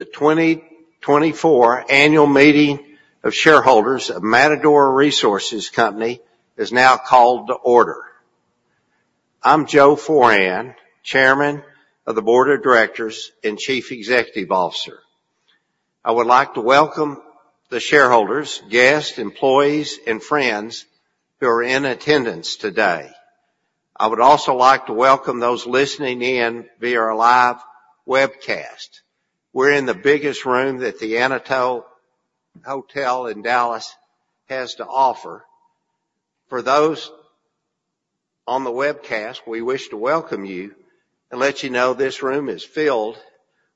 The 2024 Annual Meeting of Shareholders of Matador Resources Company is now called to order. I'm Joe Foran, Chairman of the Board of Directors and Chief Executive Officer. I would like to welcome the shareholders, guests, employees, and friends who are in attendance today. I would also like to welcome those listening in via our live webcast. We're in the biggest room that the Anatole Hotel in Dallas has to offer. For those on the webcast, we wish to welcome you and let you know this room is filled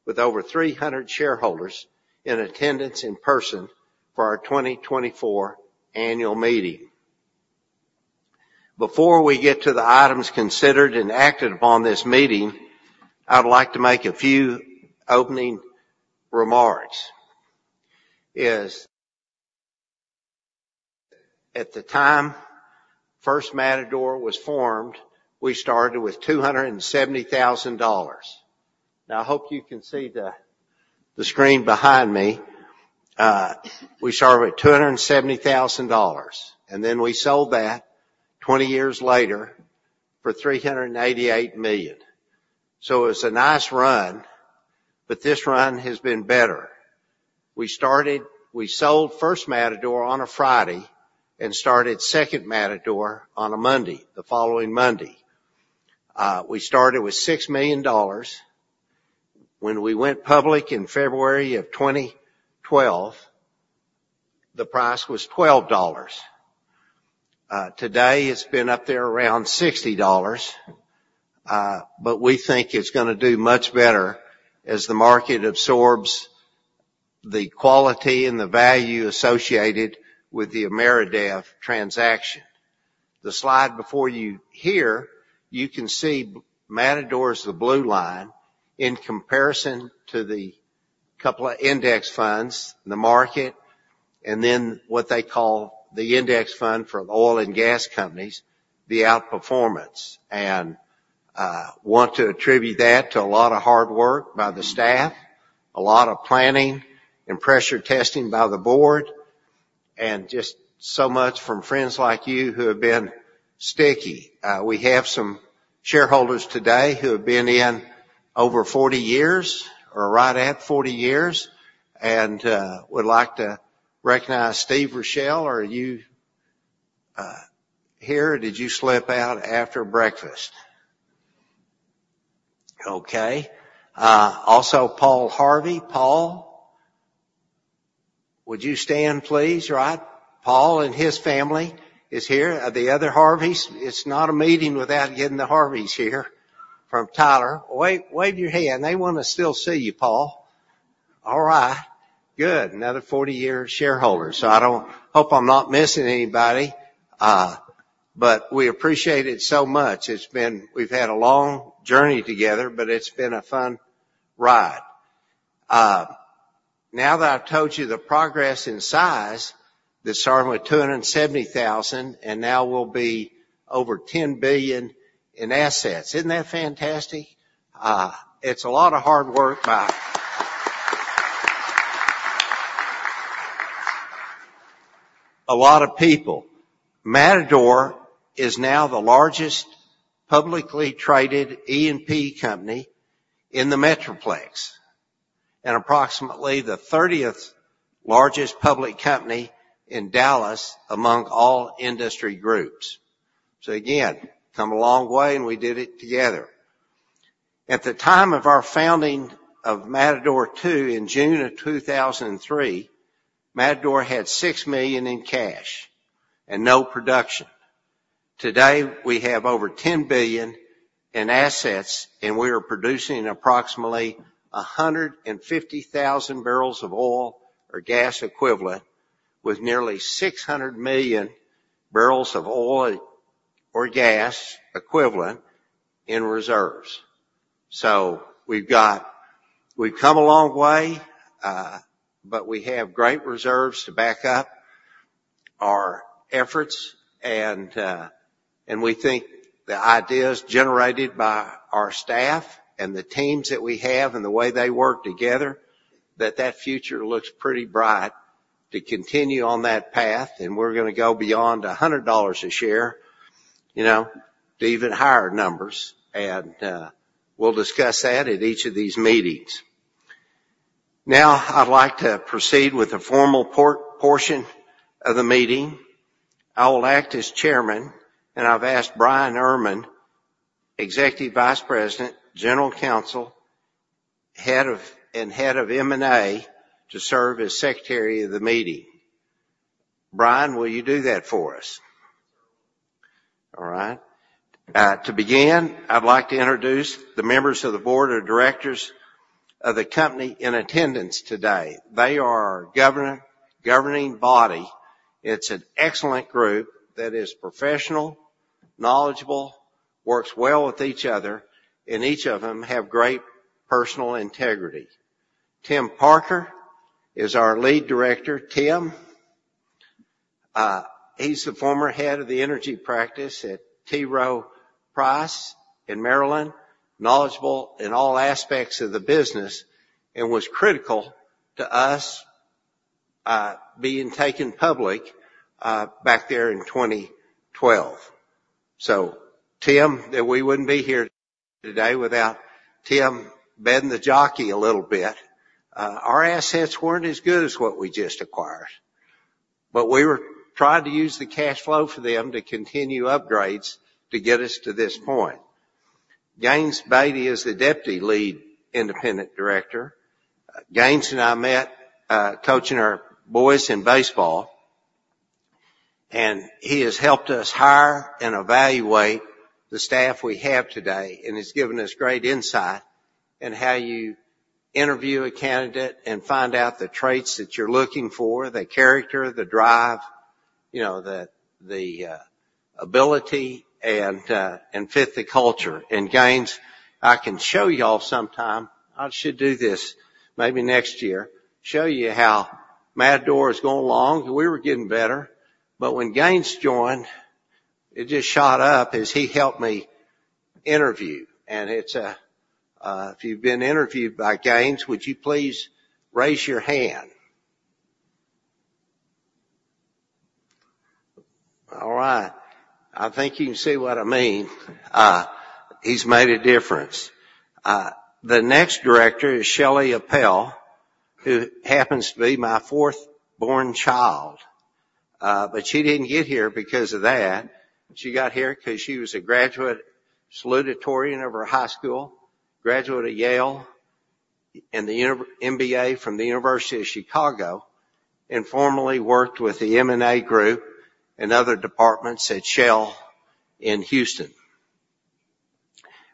with over 300 shareholders in attendance in person for our 2024 Annual Meeting. Before we get to the items considered and acted upon this meeting, I'd like to make a few opening remarks. At the time First Matador was formed, we started with $270,000. Now, I hope you can see the screen behind me. We started with $270,000, and then we sold that 20 years later for $388 million. So it was a nice run, but this run has been better. We sold First Matador on a Friday and started Second Matador on a Monday, the following Monday. We started with $6 million. When we went public in February of 2012, the price was $12. Today, it's been up there around $60, but we think it's going to do much better as the market absorbs the quality and the value associated with the Ameredev transaction. The slide before you here, you can see Matador's the blue line in comparison to the couple of index funds, the market, and then what they call the index fund for oil and gas companies, the outperformance. I want to attribute that to a lot of hard work by the staff, a lot of planning and pressure testing by the board, and just so much from friends like you who have been sticky. We have some shareholders today who have been in over 40 years or right at 40 years and would like to recognize Steve Rochelle. Are you here? Did you slip out after breakfast? Okay. Also, Paul Harvey. Paul, would you stand, please? Right. Paul and his family is here. The other Harveys, it's not a meeting without getting the Harveys here from Tyler. Wave your hand. They want to still see you, Paul. All right. Good. Another 40-year shareholder. So I hope I'm not missing anybody, but we appreciate it so much. We've had a long journey together, but it's been a fun ride. Now that I've told you the progress in size, this started with $270,000 and now will be over $10 billion in assets. Isn't that fantastic? It's a lot of hard work by a lot of people. Matador is now the largest publicly traded E&P company in the Metroplex and approximately the 30th largest public company in Dallas among all industry groups. So again, come a long way and we did it together. At the time of our founding of Matador II in June of 2003, Matador had $6 million in cash and no production. Today, we have over $10 billion in assets and we are producing approximately 150,000 bbl of oil or gas equivalent with nearly 600 million barrels of oil or gas equivalent in reserves. So we've come a long way, but we have great reserves to back up our efforts. And we think the ideas generated by our staff and the teams that we have and the way they work together, that that future looks pretty bright to continue on that path. And we're going to go beyond $100 a share, you know, to even higher numbers. And we'll discuss that at each of these meetings. Now, I'd like to proceed with the formal portion of the meeting. I will act as chairman and I've asked Bryan Erman, Executive Vice President, General Counsel, and Head of M&A to serve as Secretary of the meeting. Bryan, will you do that for us? All right. To begin, I'd like to introduce the members of the Board of Directors of the company in attendance today. They are our governing body. It's an excellent group that is professional, knowledgeable, works well with each other, and each of them have great personal integrity. Tim Parker is our lead director. Tim, he's the former head of the energy practice at T. Rowe Price in Maryland, knowledgeable in all aspects of the business and was critical to us being taken public back there in 2012. So Tim, that we wouldn't be here today without Tim betting the jockey a little bit. Our assets weren't as good as what we just acquired, but we were trying to use the cash flow for them to continue upgrades to get us to this point. Gaines Baty is the Deputy Lead Independent Director. Gaines and I met coaching our boys in baseball, and he has helped us hire and evaluate the staff we have today and has given us great insight in how you interview a candidate and find out the traits that you're looking for, the character, the drive, you know, the ability, and fit the culture. And Gaines, I can show you all sometime. I should do this maybe next year, show you how Matador is going along. We were getting better, but when Gaines joined, it just shot up as he helped me interview. And if you've been interviewed by Gaines, would you please raise your hand? All right. I think you can see what I mean. He's made a difference. The next director is Shelley Appel, who happens to be my fourth born child, but she didn't get here because of that. She got here because she was a graduate salutatorian of her high school, graduate of Yale and the MBA from the University of Chicago, and formerly worked with the M&A group and other departments at Shell in Houston.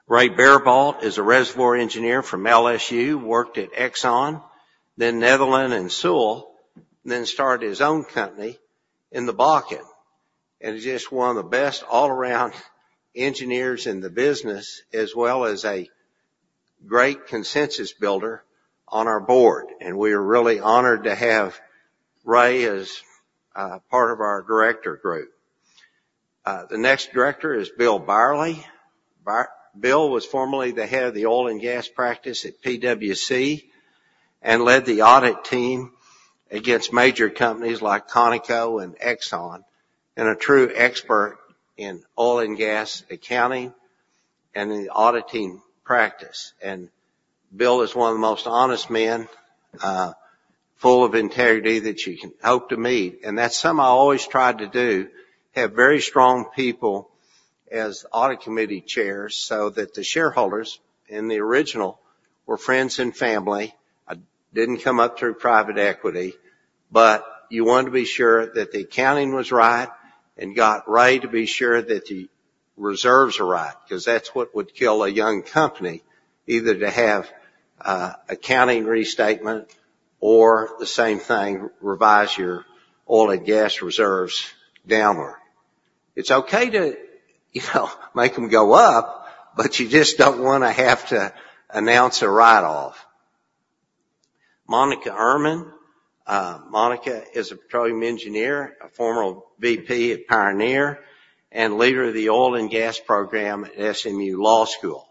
Reynald Baribault is a Reservoir Engineer from LSU, worked at Exxon, then Netherland and Sewell, then started his own company in the Bakken. And he's just one of the best all-around engineers in the business, as well as a great consensus builder on our board. We are really honored to have Ray as part of our Director Group. The next Director is Bill Byerley. Bill was formerly the Head of the Oil and Gas Practice at PwC and led the audit team against major companies like Conoco and Exxon, and a true expert in oil and gas accounting and the auditing practice. Bill is one of the most honest men, full of integrity that you can hope to meet. That's something I always tried to do, have very strong people as Audit Committee chairs so that the shareholders and the original were friends and family. I didn't come up through private equity, but you want to be sure that the accounting was right and got Ray to be sure that the reserves are right, because that's what would kill a young company, either to have accounting restatement or the same thing, revise your oil and gas reserves downward. It's okay to make them go up, but you just don't want to have to announce a write-off. Monika Ehrman. Monika is a petroleum engineer, a former VP at Pioneer and Leader of the Oil and Gas Program at SMU Law School.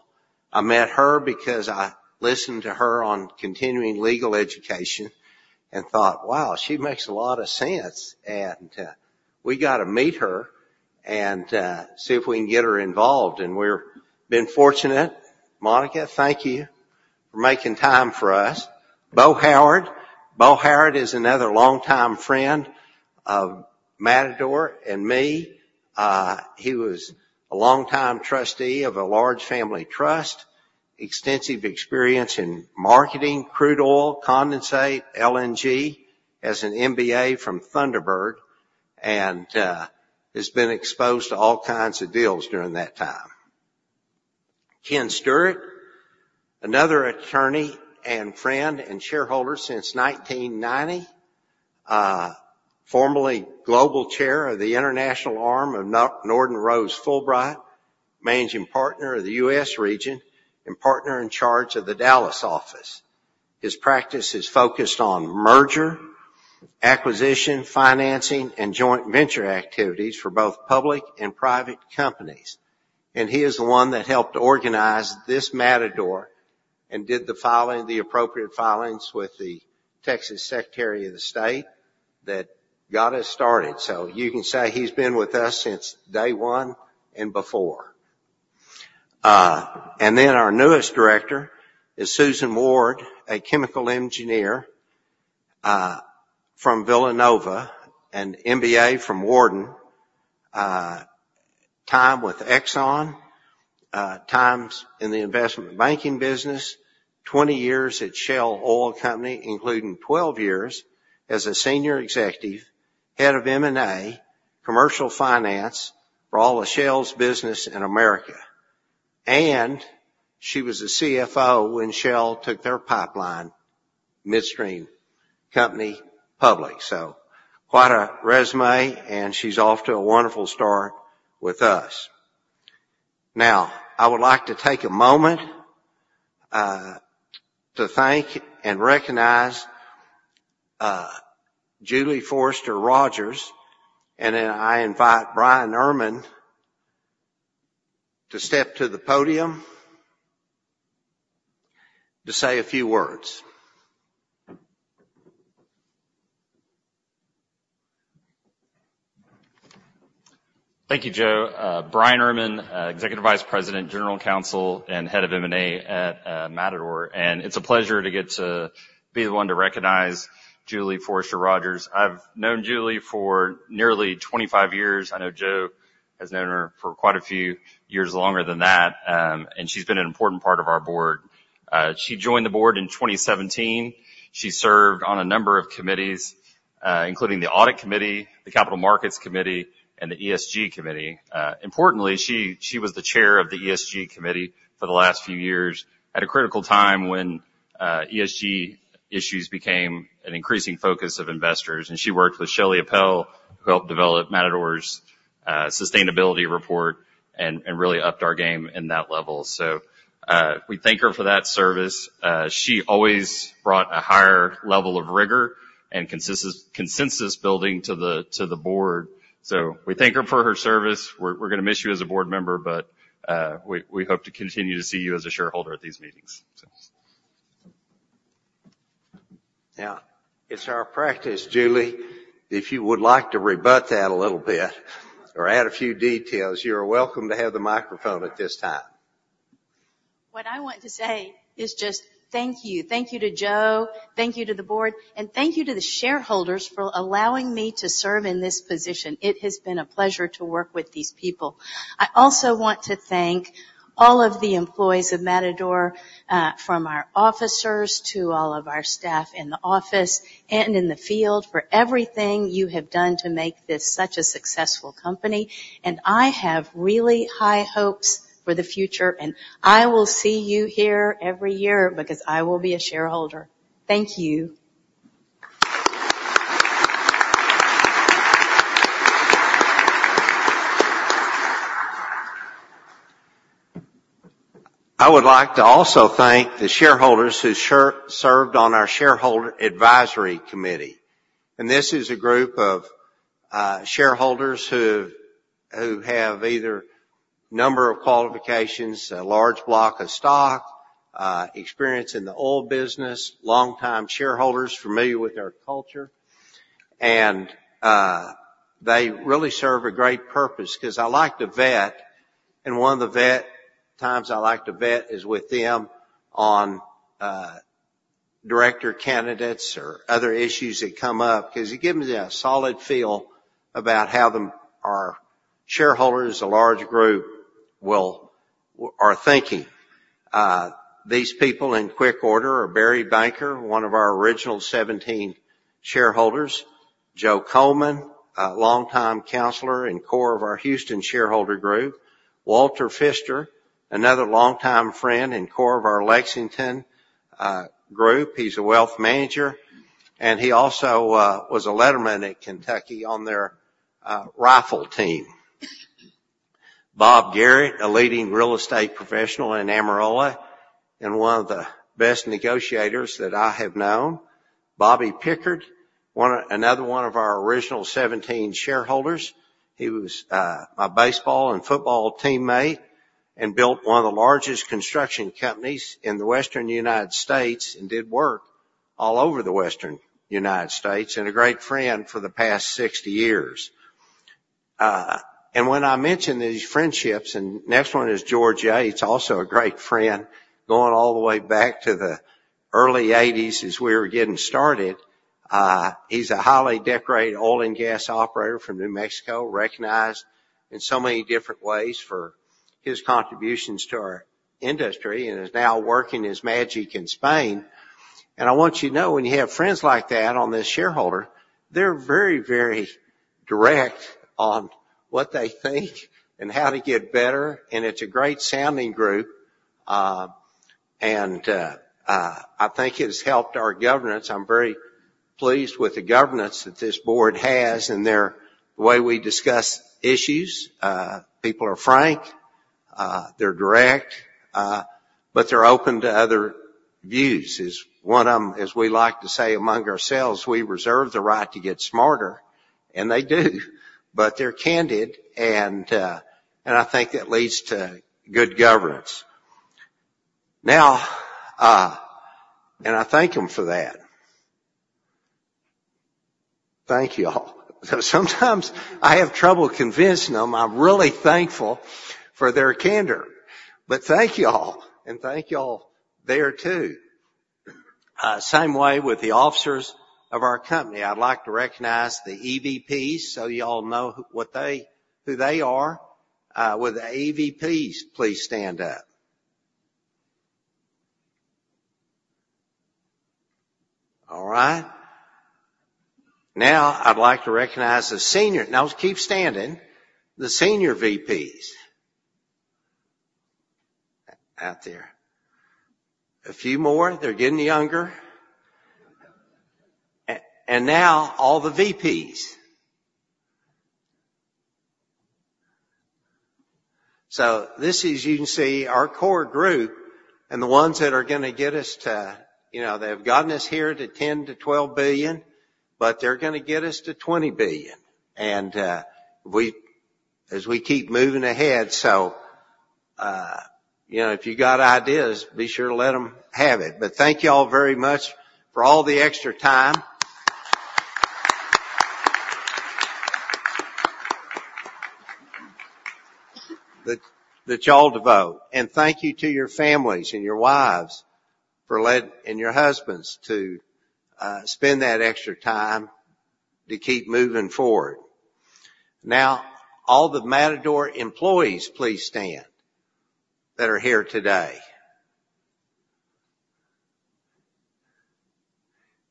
I met her because I listened to her on continuing legal education and thought, wow, she makes a lot of sense. We got to meet her and see if we can get her involved. We've been fortunate. Monika, thank you for making time for us. Bo Howard. Bo Howard is another longtime friend of Matador and me. He was a longtime trustee of a large family trust, extensive experience in marketing, crude oil, condensate, LNG, has an MBA from Thunderbird, and has been exposed to all kinds of deals during that time. Ken Stewart, another attorney and friend and shareholder since 1990, formerly global chair of the international arm of Norton Rose Fulbright, Managing Partner of the U.S. region and Partner in Charge of the Dallas office. His practice is focused on merger, acquisition, financing, and joint venture activities for both public and private companies. He is the one that helped organize this Matador and did the appropriate filings with the Texas Secretary of State that got us started. So you can say he's been with us since day one and before. Then our newest director is Susan Ward, a chemical engineer from Villanova and MBA from Wharton, time with Exxon, times in the investment banking business, 20 years at Shell Oil Company, including 12 years as a senior executive head of M&A, commercial finance for all of Shell's business in America. And she was a CFO when Shell took their pipeline midstream company public. So quite a résumé, and she's off to a wonderful start with us. Now, I would like to take a moment to thank and recognize Julie Forrester Rogers, and then I invite Bryan Erman to step to the podium to say a few words. Thank you, Joe. Bryan Erman, Executive Vice President, General Counsel, and Head of M&A at Matador. And it's a pleasure to get to be the one to recognize Julie Forrester Rogers. I've known Julie for nearly 25 years. I know Joe has known her for quite a few years longer than that, and she's been an important part of our board. She joined the board in 2017. She served on a number of committees, including the Audit Committee, the Capital Markets Committee, and the ESG Committee. Importantly, she was the Chair of the ESG Committee for the last few years at a critical time when ESG issues became an increasing focus of investors. She worked with Shelley Appel, who helped develop Matador's sustainability report and really upped our game in that level. So we thank her for that service. She always brought a higher level of rigor and consensus building to the board. So we thank her for her service. We're going to miss you as a board member, but we hope to continue to see you as a shareholder at these meetings. Yeah. It's our practice, Julie. If you would like to rebut that a little bit or add a few details, you're welcome to have the microphone at this time. What I want to say is just thank you. Thank you to Joe. Thank you to the board, and thank you to the shareholders for allowing me to serve in this position. It has been a pleasure to work with these people. I also want to thank all of the employees of Matador, from our officers to all of our staff in the office and in the field for everything you have done to make this such a successful company. I have really high hopes for the future, and I will see you here every year because I will be a shareholder. Thank you. I would like to also thank the shareholders who served on our Shareholder Advisory Committee. This is a group of shareholders who have either a number of qualifications, a large block of stock, experience in the oil business, longtime shareholders familiar with our culture. They really serve a great purpose because I like to vet, and one of the vet times I like to vet is with them on director candidates or other issues that come up because you give me a solid feel about how our shareholders, a large group, are thinking. These people in quick order are Barry Banker, one of our original 17 shareholders; Joe Coleman, a longtime Counselor and core of our Houston shareholder group; Walter Fischer, another longtime friend and core of our Lexington group. He's a Wealth Manager, and he also was a Letterman at Kentucky on their rifle team. Bob Garrett, a leading real estate professional in Amarillo and one of the best negotiators that I have known. Bobby Pickard, another one of our original 17 shareholders. He was my baseball and football teammate and built one of the largest construction companies in the Western United States and did work all over the Western United States and a great friend for the past 60 years. When I mention these friendships, next one is George Yates, also a great friend, going all the way back to the early 1980s as we were getting started. He's a highly decorated oil and gas operator from New Mexico, recognized in so many different ways for his contributions to our industry and is now working his magic in Spain. I want you to know when you have friends like that on this shareholder, they're very, very direct on what they think and how to get better. And it's a great sounding group. And I think it has helped our governance. I'm very pleased with the governance that this board has and the way we discuss issues. People are frank, they're direct, but they're open to other views. As we like to say among ourselves, we reserve the right to get smarter, and they do, but they're candid, and I think that leads to good governance. Now, and I thank them for that. Thank you all. Sometimes I have trouble convincing them. I'm really thankful for their candor, but thank you all, and thank you all there too. Same way with the officers of our company. I'd like to recognize the EVPs so you all know who they are. With the EVPs, please stand up. All right. Now, I'd like to recognize the senior, now keep standing, the senior VPs out there. A few more. They're getting younger. And now all the VPs. So this is, you can see our core group and the ones that are going to get us to, you know, they've gotten us here to $10 billion-$12 billion, but they're going to get us to $20 billion. And as we keep moving ahead, so you know, if you've got ideas, be sure to let them have it. But thank you all very much for all the extra time that y'all devote. And thank you to your families and your wives and your husbands to spend that extra time to keep moving forward. Now, all the Matador employees, please stand that are here today.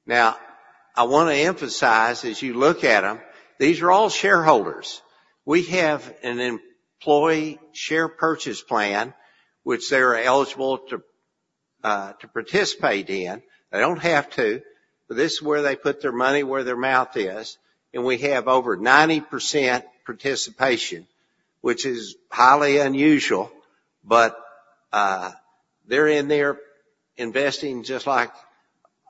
Now, I want to emphasize as you look at them, these are all shareholders. We have an employee share purchase plan, which they're eligible to participate in. They don't have to, but this is where they put their money, where their mouth is. And we have over 90% participation, which is highly unusual, but they're in there investing just like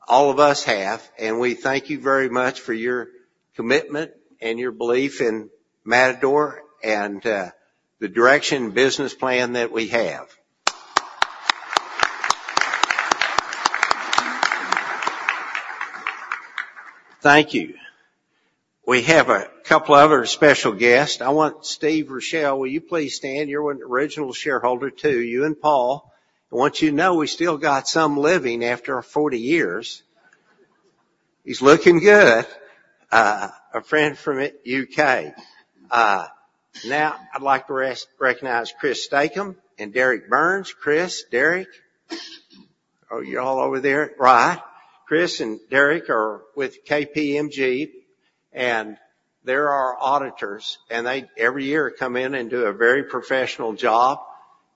all of us have. And we thank you very much for your commitment and your belief in Matador and the direction and business plan that we have. Thank you. We have a couple of other special guests. I want Steve Rochelle. Will you please stand? You're an original shareholder too, you and Paul. I want you to know we still got some living after 40 years. He's looking good. A friend from the U.K. Now, I'd like to recognize Chris Statham and Derek Burns. Chris, Derek. Oh, you're all over there. Right. Chris and Derek are with KPMG, and they're our auditors, and they every year come in and do a very professional job,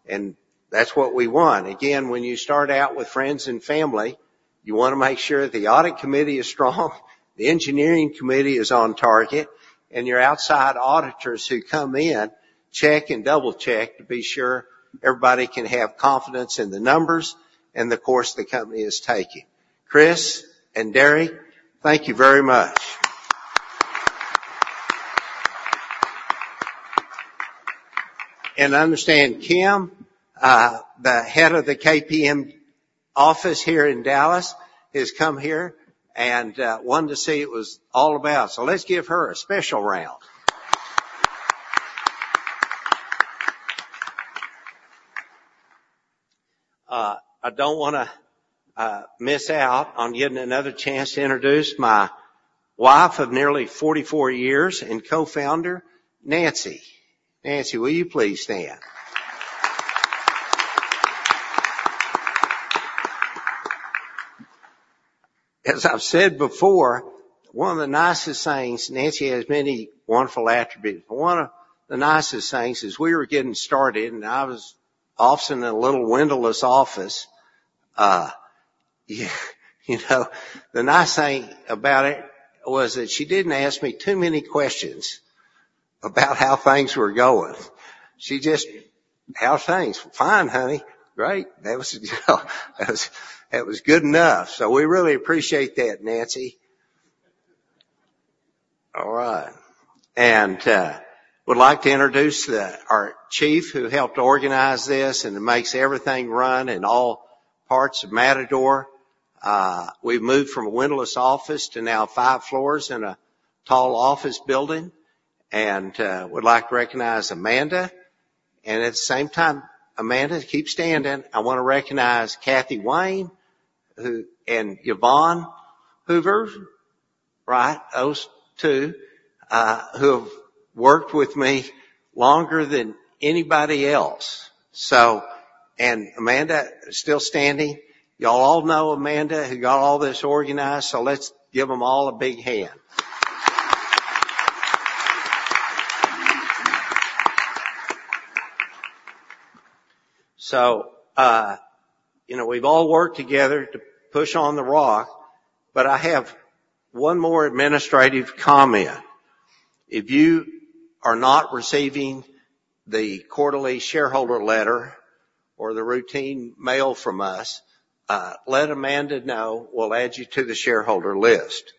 and that's what we want. Again, when you start out with friends and family, you want to make sure the Audit Committee is strong, the Engineering Committee is on target, and your outside auditors who come in check and double-check to be sure everybody can have confidence in the numbers and the course the company is taking. Chris and Derek, thank you very much. And I understand Kim, the head of the KPMG office here in Dallas, has come here and wanted to see what it was all about. So let's give her a special round. I don't want to miss out on getting another chance to introduce my wife of nearly 44 years and co-founder, Nancy. Nancy, will you please stand? As I've said before, one of the nicest things, Nancy has many wonderful attributes. One of the nicest things is we were getting started, and I was officing in a little windowless office. You know, the nice thing about it was that she didn't ask me too many questions about how things were going. She just, "How's things?" "Fine, honey." "Great." That was good enough. So we really appreciate that, Nancy. All right. And I would like to introduce our chief who helped organize this and makes everything run in all parts of Matador. We've moved from a windowless office to now five floors in a tall office building. And I would like to recognize Amanda. And at the same time, Amanda, keep standing. I want to recognize Kathy Wayne and Yvonne Hoover, right, those two, who have worked with me longer than anybody else. So, and Amanda, still standing. Y'all all know Amanda who got all this organized, so let's give them all a big hand. So, you know, we've all worked together to push on the rock, but I have one more administrative comment. If you are not receiving the quarterly shareholder letter or the routine mail from us, let Amanda know we'll add you to the shareholder list.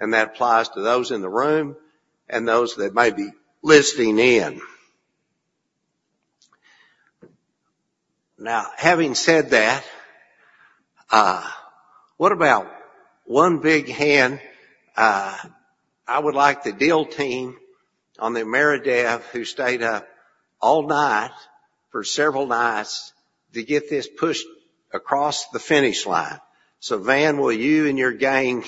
And that applies to those in the room and those that may be listening in. Now, having said that, what about one big hand? I would like the deal team on the Ameredev who stayed up all night for several nights to get this pushed across the finish line. So Van, will you and your gang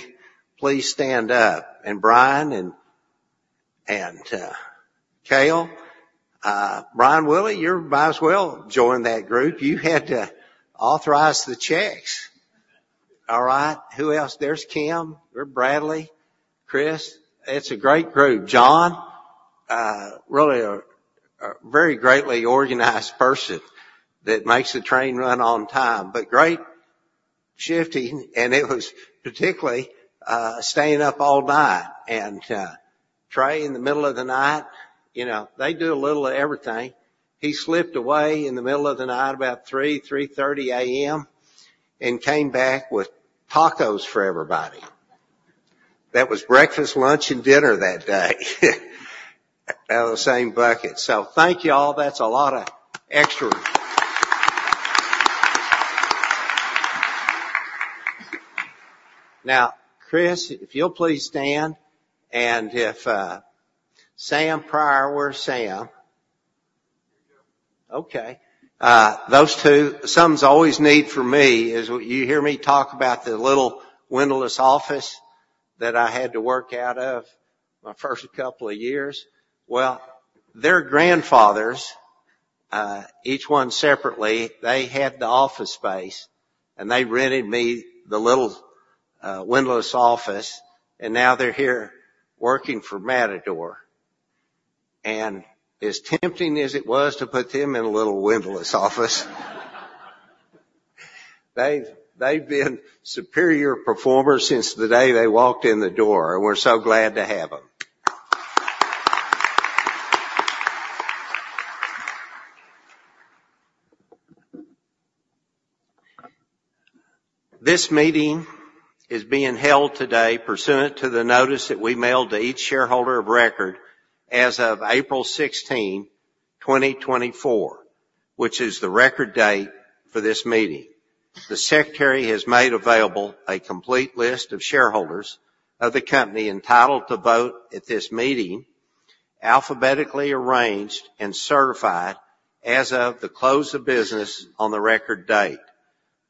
please stand up? And Brian and Kyle, Brian Willey, you might as well join that group. You had to authorize the checks. All right. Who else? There's Kim, Bradley, Chris. It's a great group. John, really a very greatly organized person that makes the train run on time, but great shifting, and it was particularly staying up all night. And Trey, in the middle of the night, you know, they do a little of everything. He slipped away in the middle of the night, about 3:00 A.M., 3:30 A.M., and came back with tacos for everybody. That was breakfast, lunch, and dinner that day out of the same bucket. So thank you all. That's a lot of extra. Now, Chris, if you'll please stand. And if Sam Pryor, where's Sam? Okay. Those two, someone's always need for me is you hear me talk about the little windowless office that I had to work out of my first couple of years. Well, their grandfathers, each one separately, they had the office space, and they rented me the little windowless office, and now they're here working for Matador. As tempting as it was to put them in a little windowless office, they've been superior performers since the day they walked in the door, and we're so glad to have them. This meeting is being held today pursuant to the notice that we mailed to each shareholder of record as of April 16, 2024, which is the record date for this meeting. The secretary has made available a complete list of shareholders of the company entitled to vote at this meeting, alphabetically arranged and certified as of the close of business on the record date.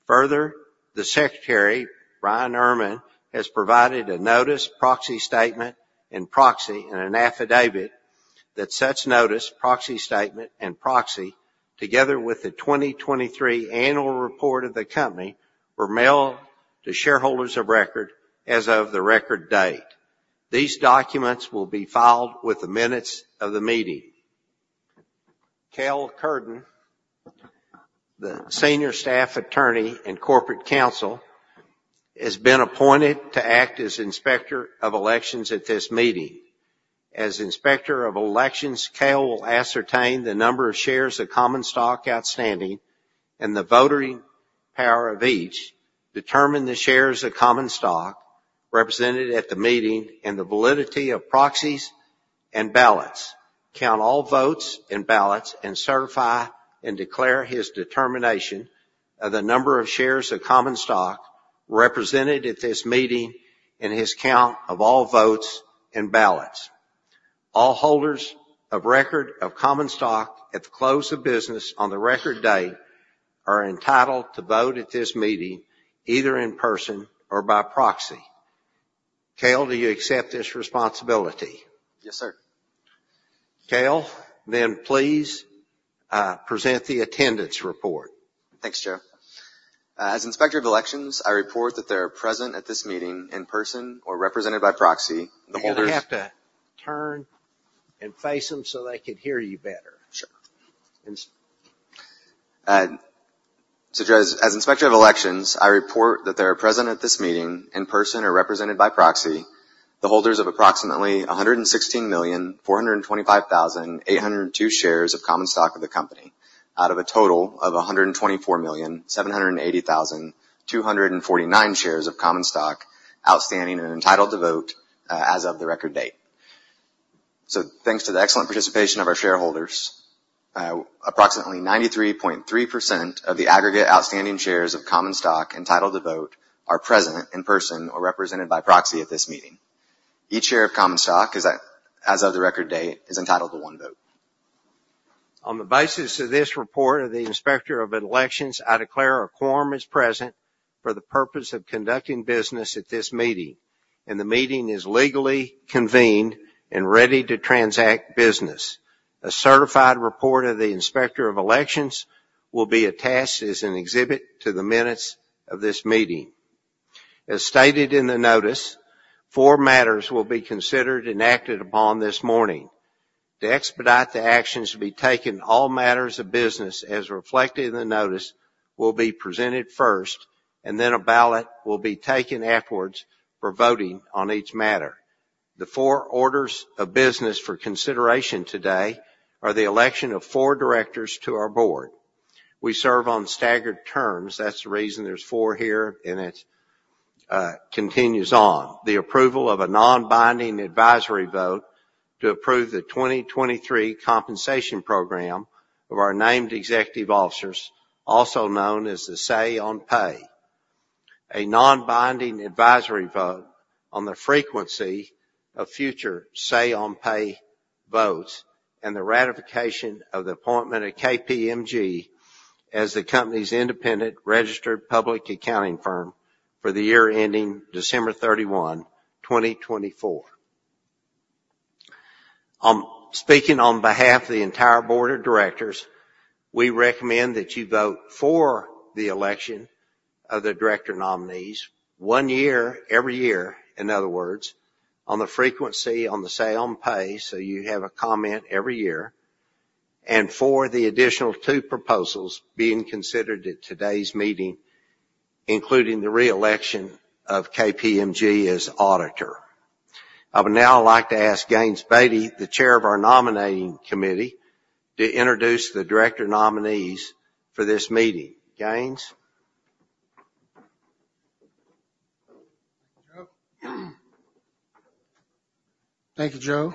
Further, the secretary, Bryan Erman, has provided a notice, proxy statement, and proxy, and an affidavit that such notice, proxy statement, and proxy, together with the 2023 annual report of the company, were mailed to shareholders of record as of the record date. These documents will be filed with the minutes of the meeting. Kyle Carden, the Senior Staff Attorney and Corporate Counsel, has been appointed to act as inspector of elections at this meeting. As inspector of elections, Kyle will ascertain the number of shares of common stock outstanding and the voting power of each, determine the shares of common stock represented at the meeting, and the validity of proxies and ballots, count all votes and ballots, and certify and declare his determination of the number of shares of common stock represented at this meeting and his count of all votes and ballots. All holders of record of common stock at the close of business on the record date are entitled to vote at this meeting either in person or by proxy. Kyle, do you accept this responsibility? Yes, sir. Kyle, then please present the attendance report. Thanks, Chair. As inspector of elections, I report that they are present at this meeting in person or represented by proxy. The holders— You have to turn and face them so they could hear you better. Sure. So, as inspector of elections, I report that they are present at this meeting in person or represented by proxy. The holders of approximately 116,425,802 shares of common stock of the company out of a total of 124,780,249 shares of common stock outstanding and entitled to vote as of the record date. Thanks to the excellent participation of our shareholders, approximately 93.3% of the aggregate outstanding shares of common stock entitled to vote are present in person or represented by proxy at this meeting. Each share of common stock, as of the record date, is entitled to one vote. On the basis of this report of the inspector of elections, I declare a quorum is present for the purpose of conducting business at this meeting, and the meeting is legally convened and ready to transact business. A certified report of the inspector of elections will be attached as an exhibit to the minutes of this meeting. As stated in the notice, four matters will be considered and acted upon this morning. To expedite the actions to be taken, all matters of business as reflected in the notice will be presented first, and then a ballot will be taken afterwards for voting on each matter. The four orders of business for consideration today are the election of four Directors to our board. We serve on staggered terms. That's the reason there's four here, and it continues on. The approval of a non-binding advisory vote to approve the 2023 compensation program of our named executive officers, also known as the Say-on-Pay. A non-binding advisory vote on the frequency of future Say-on-Pay votes and the ratification of the appointment of KPMG as the company's independent registered public accounting firm for the year ending December 31, 2024. Speaking on behalf of the entire Board of Directors, we recommend that you vote for the election of the director nominees one year every year, in other words, on the frequency on the Say-on-Pay, so you have a comment every year, and for the additional two proposals being considered at today's meeting, including the reelection of KPMG as auditor. I would now like to ask Gaines Baty, the Chair of our Nominating Committee, to introduce the director nominees for this meeting. Gaines? Thank you, Joe.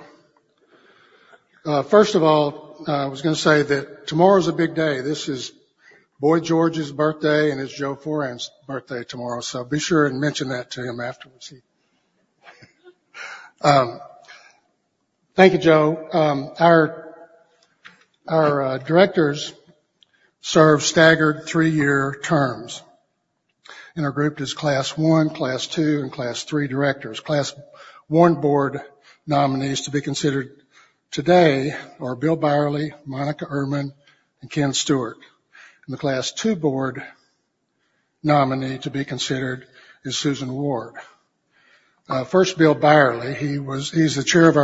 First of all, I was going to say that tomorrow is a big day. This is Boy George's birthday, and it's Joe Foran's birthday tomorrow. So be sure and mention that to him afterwards. Thank you, Joe. Our Directors serve staggered three-year terms, and are grouped as Class I, Class II, and Class III Directors. Class I board nominees to be considered today are Bill Byerley, Monika Ehrman, and Ken Stewart. The Class II board nominee to be considered is Susan Ward. First, Bill Byerley. He's the Chair of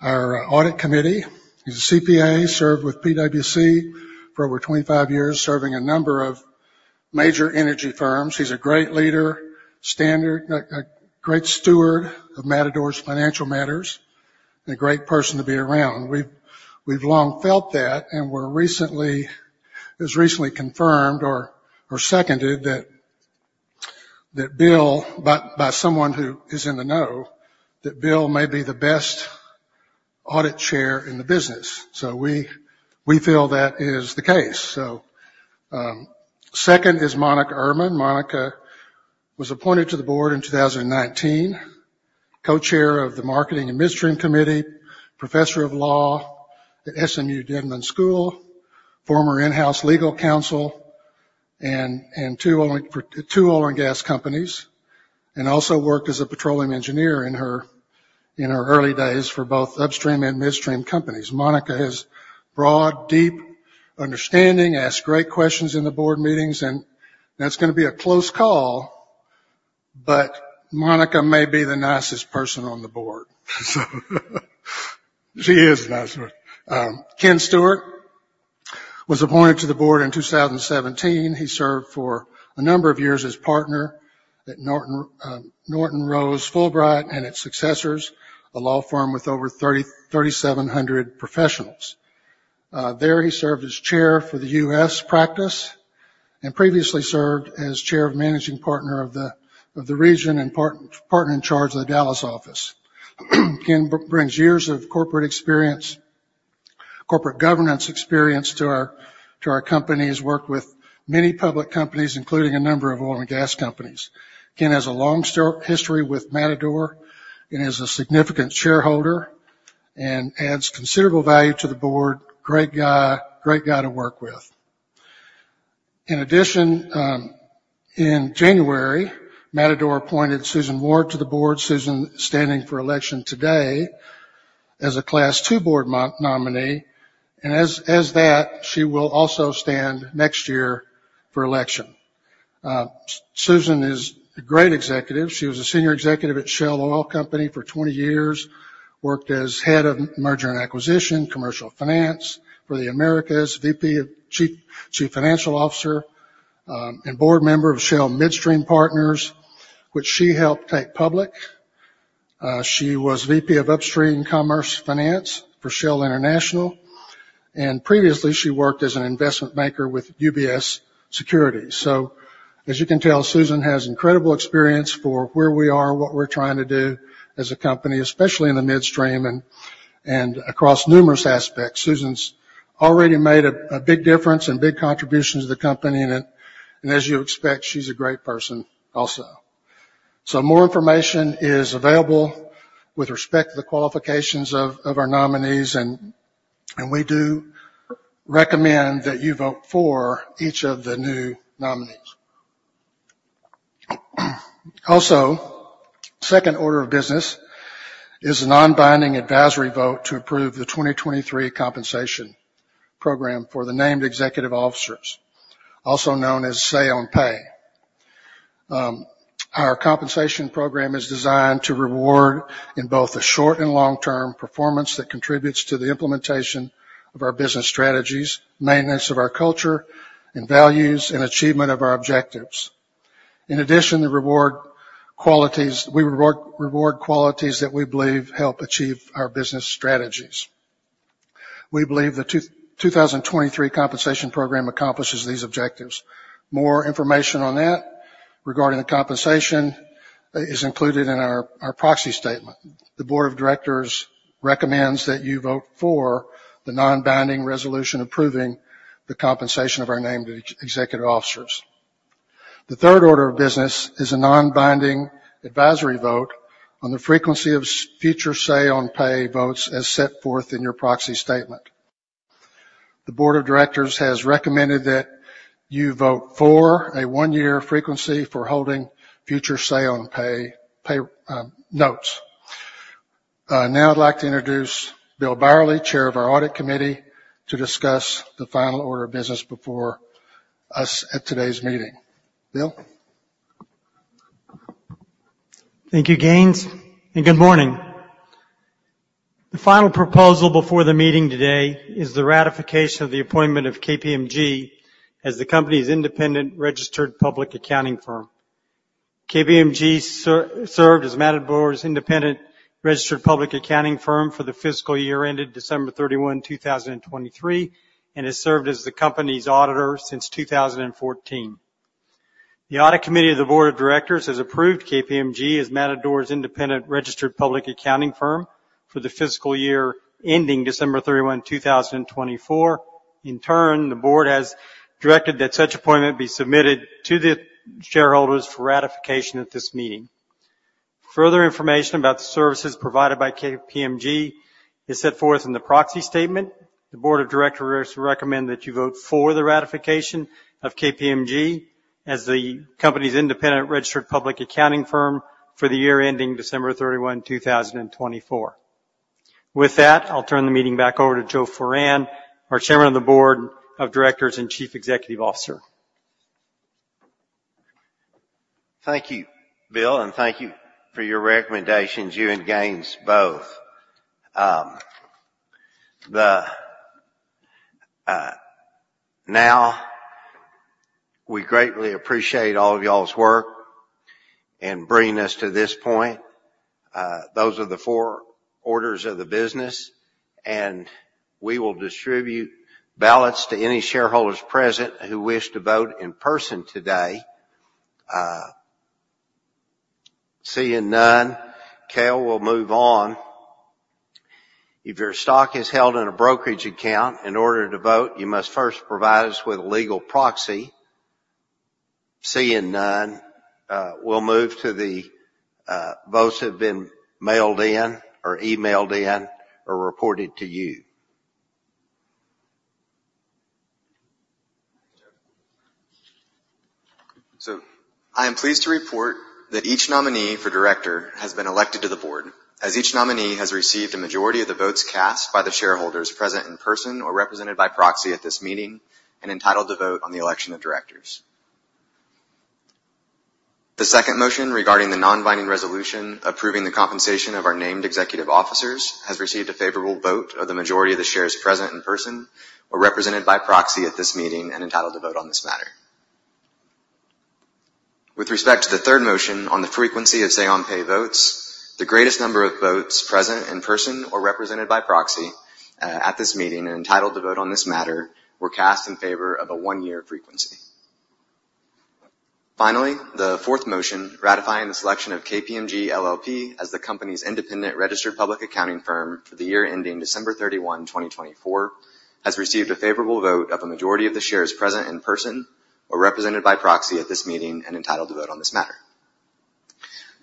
our Audit Committee. He's a CPA, served with PwC for over 25 years, serving a number of major energy firms. He's a great leader, great steward of Matador's financial matters, and a great person to be around. We've long felt that, and it was recently confirmed or seconded that Bill, by someone who is in the know, that Bill may be the best audit Chair in the Business. We feel that is the case. Second is Monika Ehrman. Monika was appointed to the board in 2019, Co-chair of the Marketing and Midstream Committee, professor of law at SMU Dedman School, Former In-house Legal Counsel and two oil and gas companies, and also worked as a Petroleum Engineer in her early days for both upstream and midstream companies. Monika has broad, deep understanding, asked great questions in the board meetings, and that's going to be a close call, but Monika may be the nicest person on the board. She is nicer. Ken Stewart was appointed to the board in 2017. He served for a number of years as Partner at Norton Rose Fulbright and its successors, a law firm with over 3,700 professionals. There he served as Chair for the U.S. practice and previously served as Chair of Managing Partner of the region and Partner in Charge of the Dallas office. Ken brings years of corporate governance experience to our company. He's worked with many public companies, including a number of oil and gas companies. Ken has a long history with Matador and is a significant shareholder and adds considerable value to the board. Great guy to work with. In addition, in January, Matador appointed Susan Ward to the board, Susan standing for election today as a Class II board nominee. And as that, she will also stand next year for election. Susan is a great Executive. She was a Senior Executive at Shell Oil Company for 20 years, worked as Head of Merger and Acquisition, Commercial Finance for the Americas, VP of Chief Financial Officer, and Board Member of Shell Midstream Partners, which she helped take public. She was VP of Upstream Commerce Finance for Shell International. And previously, she worked as an Investment Banker with UBS Securities. So as you can tell, Susan has incredible experience for where we are, what we're trying to do as a company, especially in the midstream and across numerous aspects. Susan's already made a big difference and big contribution to the company. And as you expect, she's a great person also. So more information is available with respect to the qualifications of our nominees, and we do recommend that you vote for each of the new nominees. Also, second order of business is a non-binding advisory vote to approve the 2023 compensation program for the named executive officers, also known as Say-on-Pay. Our compensation program is designed to reward in both a short and long-term performance that contributes to the implementation of our business strategies, maintenance of our culture and values, and achievement of our objectives. In addition, the reward qualities that we believe help achieve our business strategies. We believe the 2023 compensation program accomplishes these objectives. More information on that regarding the compensation is included in our proxy statement. The Board of Directors recommends that you vote for the non-binding resolution approving the compensation of our named executive officers. The third order of business is a non-binding advisory vote on the frequency of future Say-on-Pay votes as set forth in your proxy statement. The Board of Directors has recommended that you vote for a one-year frequency for holding future Say-on-Pay votes. Now I'd like to introduce Bill Byerley, Chair of our Audit Committee, to discuss the final order of business before us at today's meeting. Bill? Thank you, Gaines. And good morning. The final proposal before the meeting today is the ratification of the appointment of KPMG as the company's independent registered public accounting firm. KPMG served as Matador's independent registered public accounting firm for the fiscal year ended December 31, 2023, and has served as the company's auditor since 2014. The Audit Committee of the Board of Directors has approved KPMG as Matador's independent registered public accounting firm for the fiscal year ending December 31, 2024. In turn, the board has directed that such appointment be submitted to the shareholders for ratification at this meeting. Further information about the services provided by KPMG is set forth in the proxy statement. The Board of Directors recommend that you vote for the ratification of KPMG as the company's independent registered public accounting firm for the year ending December 31, 2024. With that, I'll turn the meeting back over to Joe Foran, our Chairman of the Board of Directors and Chief Executive Officer. Thank you, Bill, and thank you for your recommendations, you and Gaines both. Now, we greatly appreciate all of y'all's work in bringing us to this point. Those are the four orders of the business, and we will distribute ballots to any shareholders present who wish to vote in person today. Seeing none, Kyle will move on. If your stock is held in a brokerage account, in order to vote, you must first provide us with a legal proxy. Seeing none, we'll move to the votes have been mailed in or emailed in or reported to you. So I am pleased to report that each nominee for Director has been elected to the board, as each nominee has received a majority of the votes cast by the shareholders present in person or represented by proxy at this meeting and entitled to vote on the Election of Directors. The second motion regarding the non-binding resolution approving the compensation of our named Executive Officers has received a favorable vote of the majority of the shares present in person or represented by proxy at this meeting and entitled to vote on this matter. With respect to the third motion on the frequency of Say-on-Pay votes, the greatest number of votes present in person or represented by proxy at this meeting and entitled to vote on this matter were cast in favor of a one-year frequency. Finally, the fourth motion, ratifying the selection of KPMG LLP as the company's independent registered public accounting firm for the year ending December 31, 2024, has received a favorable vote of a majority of the shares present in person or represented by proxy at this meeting and entitled to vote on this matter.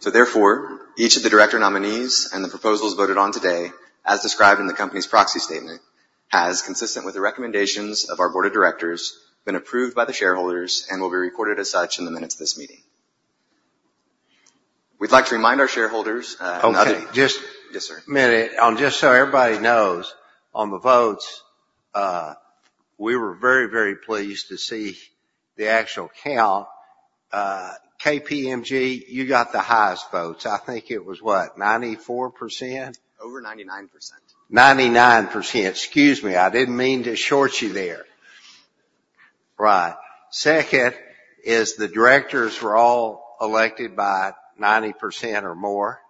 Therefore, each of the director nominees and the proposals voted on today, as described in the company's proxy statement, has, consistent with the recommendations of our Board of Directors, been approved by the shareholders, and will be recorded as such in the minutes of this meeting. We'd like to remind our shareholders. Okay. Yes, sir. Just a minute. Just say everybody knows on the votes, we were very, very pleased to see the actual count. KPMG, you got the highest votes. I think it was what, 94%? Over 99%. 99%. Excuse me. I didn't mean to short you there. Right. Second is the Directors were all elected by 90% or more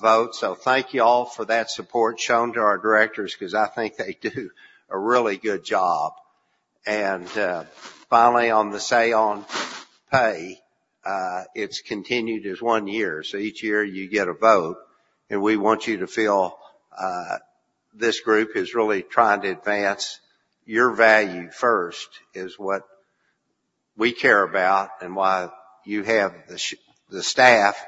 votes. So thank you all for that support shown to our Directors because I think they do a really good job. Finally, on the Say-on-Pay, it's continued as one year. So each year you get a vote, and we want you to feel this group is really trying to advance your value first is what we care about and why you have the staff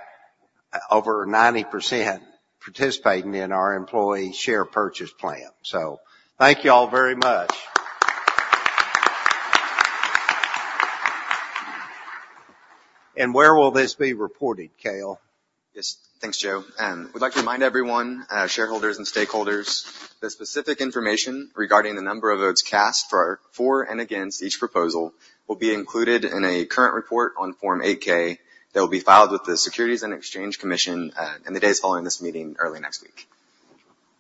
over 90% participating in our employee share purchase plan. So thank you all very much. And where will this be reported, Kyle? Yes. Thanks, Joe. And we'd like to remind everyone, shareholders and stakeholders, the specific information regarding the number of votes cast for and against each proposal will be included in a current report on Form 8-K that will be filed with the Securities and Exchange Commission in the days following this meeting early next week.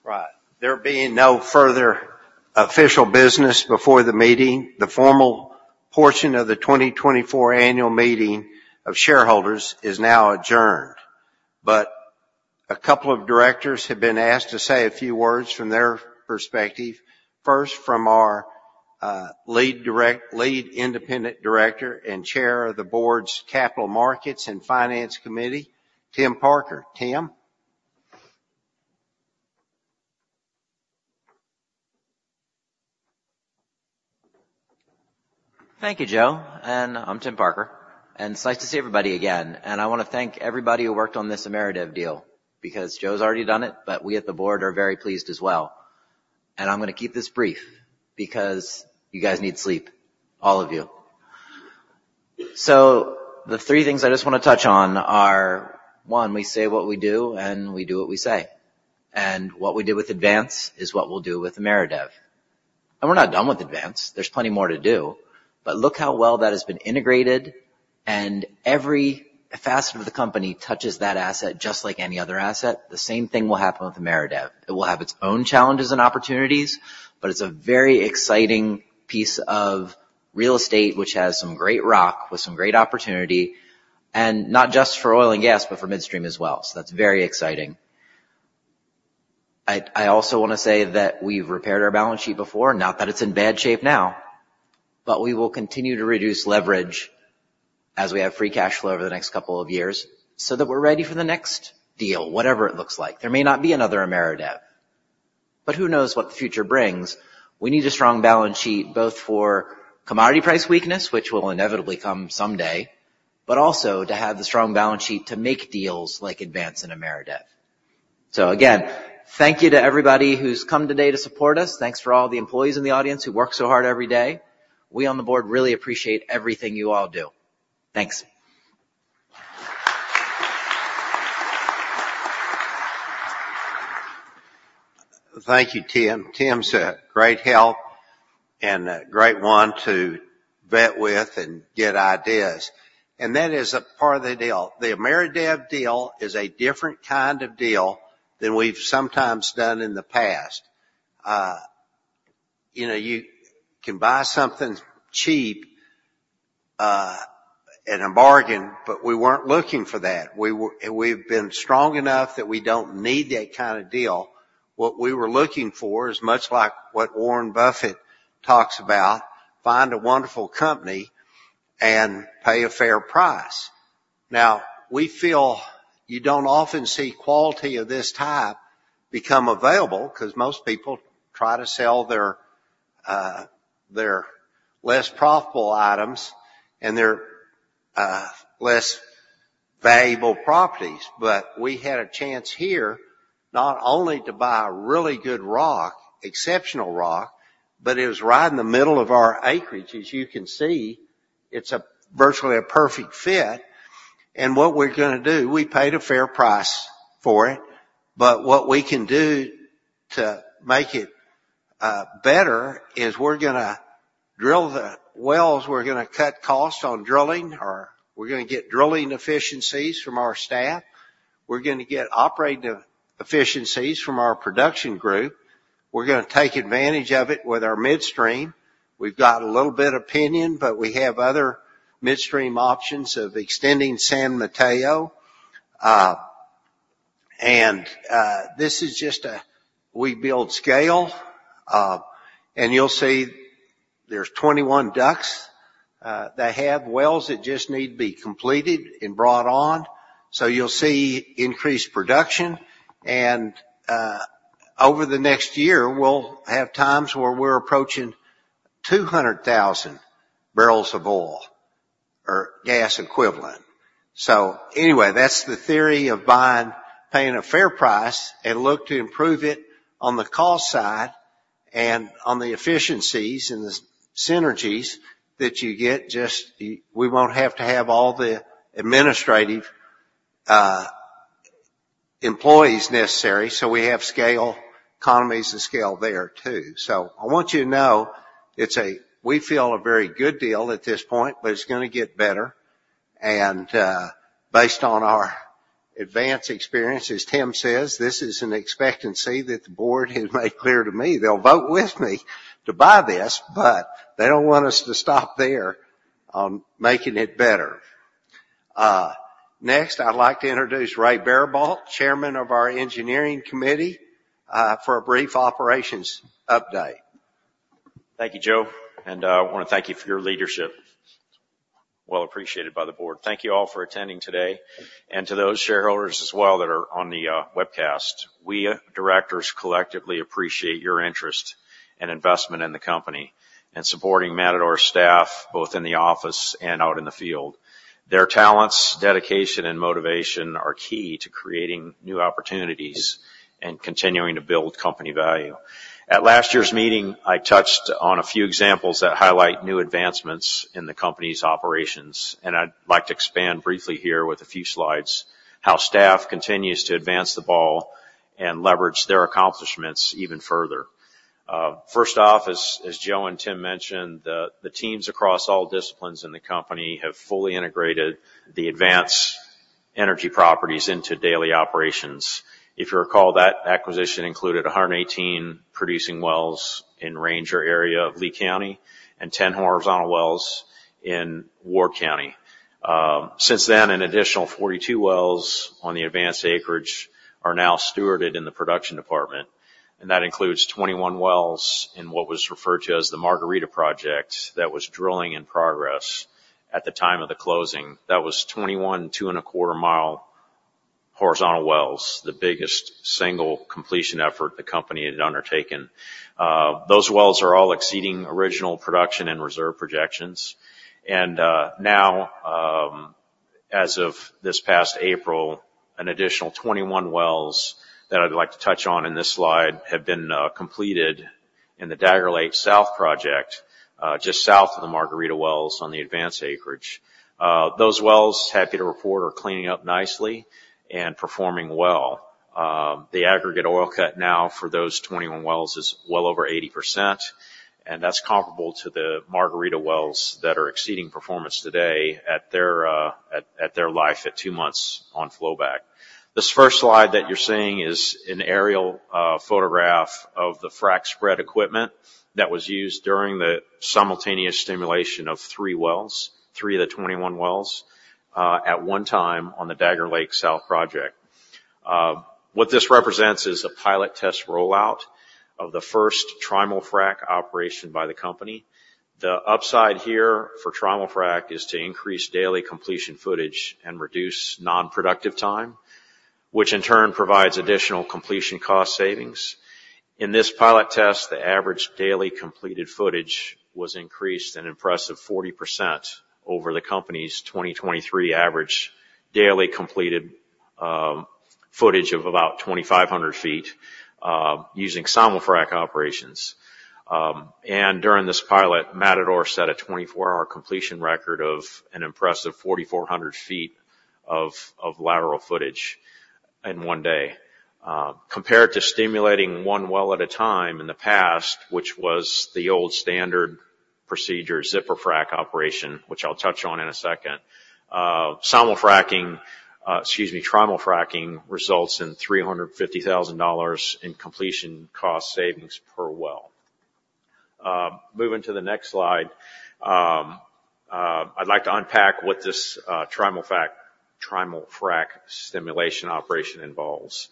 Right. There being no further official business before the meeting, the formal portion of the 2024 annual meeting of shareholders is now adjourned. But a couple of Directors have been asked to say a few words from their perspective. First, from our lead independent director and chair of the board's Capital Markets and Finance Committee, Tim Parker. Tim? Thank you, Joe. And I'm Tim Parker. And it's nice to see everybody again. And I want to thank everybody who worked on this Ameredev deal because Joe's already done it, but we at the board are very pleased as well. And I'm going to keep this brief because you guys need sleep, all of you. So the three things I just want to touch on are, one, we say what we do, and we do what we say. And what we did with Advance is what we'll do with Ameredev. And we're not done with Advance. There's plenty more to do. But look how well that has been integrated, and every facet of the company touches that asset just like any other asset. The same thing will happen with Ameredev. It will have its own challenges and opportunities, but it's a very exciting piece of real estate, which has some great rock with some great opportunity, and not just for oil and gas, but for midstream as well. So that's very exciting. I also want to say that we've repaired our balance sheet before, not that it's in bad shape now, but we will continue to reduce leverage as we have free cash flow over the next couple of years so that we're ready for the next deal, whatever it looks like. There may not be another Ameredev, but who knows what the future brings. We need a strong balance sheet both for commodity price weakness, which will inevitably come someday, but also to have the strong balance sheet to make deals like Advance and Ameredev. So again, thank you to everybody who's come today to support us. Thanks for all the employees in the audience who work so hard every day. We on the board really appreciate everything you all do. Thanks. Thank you, Tim. Tim's a great help and a great one to vet with and get ideas. And that is a part of the deal. The Ameredev deal is a different kind of deal than we've sometimes done in the past. You can buy something cheap at a bargain, but we weren't looking for that. We've been strong enough that we don't need that kind of deal. What we were looking for is much like what Warren Buffett talks about, find a wonderful company and pay a fair price. Now, we feel you don't often see quality of this type become available because most people try to sell their less profitable items and their less valuable properties. But we had a chance here not only to buy really good rock, exceptional rock, but it was right in the middle of our acreage, as you can see. It's virtually a perfect fit. And what we're going to do, we paid a fair price for it. But what we can do to make it better is we're going to drill the wells. We're going to cut costs on drilling, or we're going to get drilling efficiencies from our staff. We're going to get operating efficiencies from our production group. We're going to take advantage of it with our midstream. We've got a little bit of Piñon, but we have other midstream options of extending San Mateo. And this is just a we build scale. And you'll see there's 21 DUCs. They have wells that just need to be completed and brought on. So you'll see increased production. And over the next year, we'll have times where we're approaching 200,000 bbl of oil or gas equivalent. So anyway, that's the theory of buying, paying a fair price, and look to improve it on the cost side and on the efficiencies and the synergies that you get. Just we won't have to have all the administrative employees necessary. So we have scale economies and scale there too. So I want you to know we feel a very good deal at this point, but it's going to get better. Based on our advanced experiences, Tim says, this is an expectancy that the board has made clear to me. They'll vote with me to buy this, but they don't want us to stop there on making it better. Next, I'd like to introduce Reynald Baribault, Chairman of our Engineering Committee, for a brief operations update. Thank you, Joe. And I want to thank you for your leadership. Well appreciated by the board. Thank you all for attending today. And to those shareholders as well that are on the webcast, we Directors collectively appreciate your interest and investment in the company and supporting Matador staff both in the office and out in the field. Their talents, dedication, and motivation are key to creating new opportunities and continuing to build company value. At last year's meeting, I touched on a few examples that highlight new advancements in the company's operations. I'd like to expand briefly here with a few slides how staff continues to advance the ball and leverage their accomplishments even further. First off, as Joe and Tim mentioned, the teams across all disciplines in the company have fully integrated the Advance Energy properties into daily operations. If you recall, that acquisition included 118 producing wells in Ranger area of Lea County and 10 horizontal wells in Ward County. Since then, an additional 42 wells on the Advance acreage are now stewarded in the production department. And that includes 21 wells in what was referred to as the Margarita Project that was drilling in progress at the time of the closing. That was 21 wells, 2.25 mi horizontal wells, the biggest single completion effort the company had undertaken. Those wells are all exceeding original production and reserve projections. And now, as of this past April, an additional 21 wells that I'd like to touch on in this slide have been completed in the Dagger Lake South project just south of the Margarita wells on the Advance acreage. Those wells, happy to report, are cleaning up nicely and performing well. The aggregate oil cut now for those 21 wells is well over 80%. And that's comparable to the Margarita wells that are exceeding performance today at their life at two months on flowback. This first slide that you're seeing is an aerial photograph of the frac spread equipment that was used during the simultaneous stimulation of three wells, three of the 21 wells, at one time on the Dagger Lake South project. What this represents is a pilot test rollout of the first Trimul-Frac operation by the company. The upside here for Trimul-Frac is to increase daily completion footage and reduce non-productive time, which in turn provides additional completion cost savings. In this pilot test, the average daily completed footage was increased an impressive 40% over the company's 2023 average daily completed footage of about 2,500 ft using Simul-Frac operations. During this pilot, Matador set a 24-hour completion record of an impressive 4,400 ft of lateral footage in one day. Compared to stimulating one well at a time in the past, which was the old standard procedure, zipper frac operation, which I'll touch on in a second, Simul-Frac excuse me, Trimul-Frac results in $350,000 in completion cost savings per well. Moving to the next slide, I'd like to unpack what this Trimul-Frac stimulation operation involves.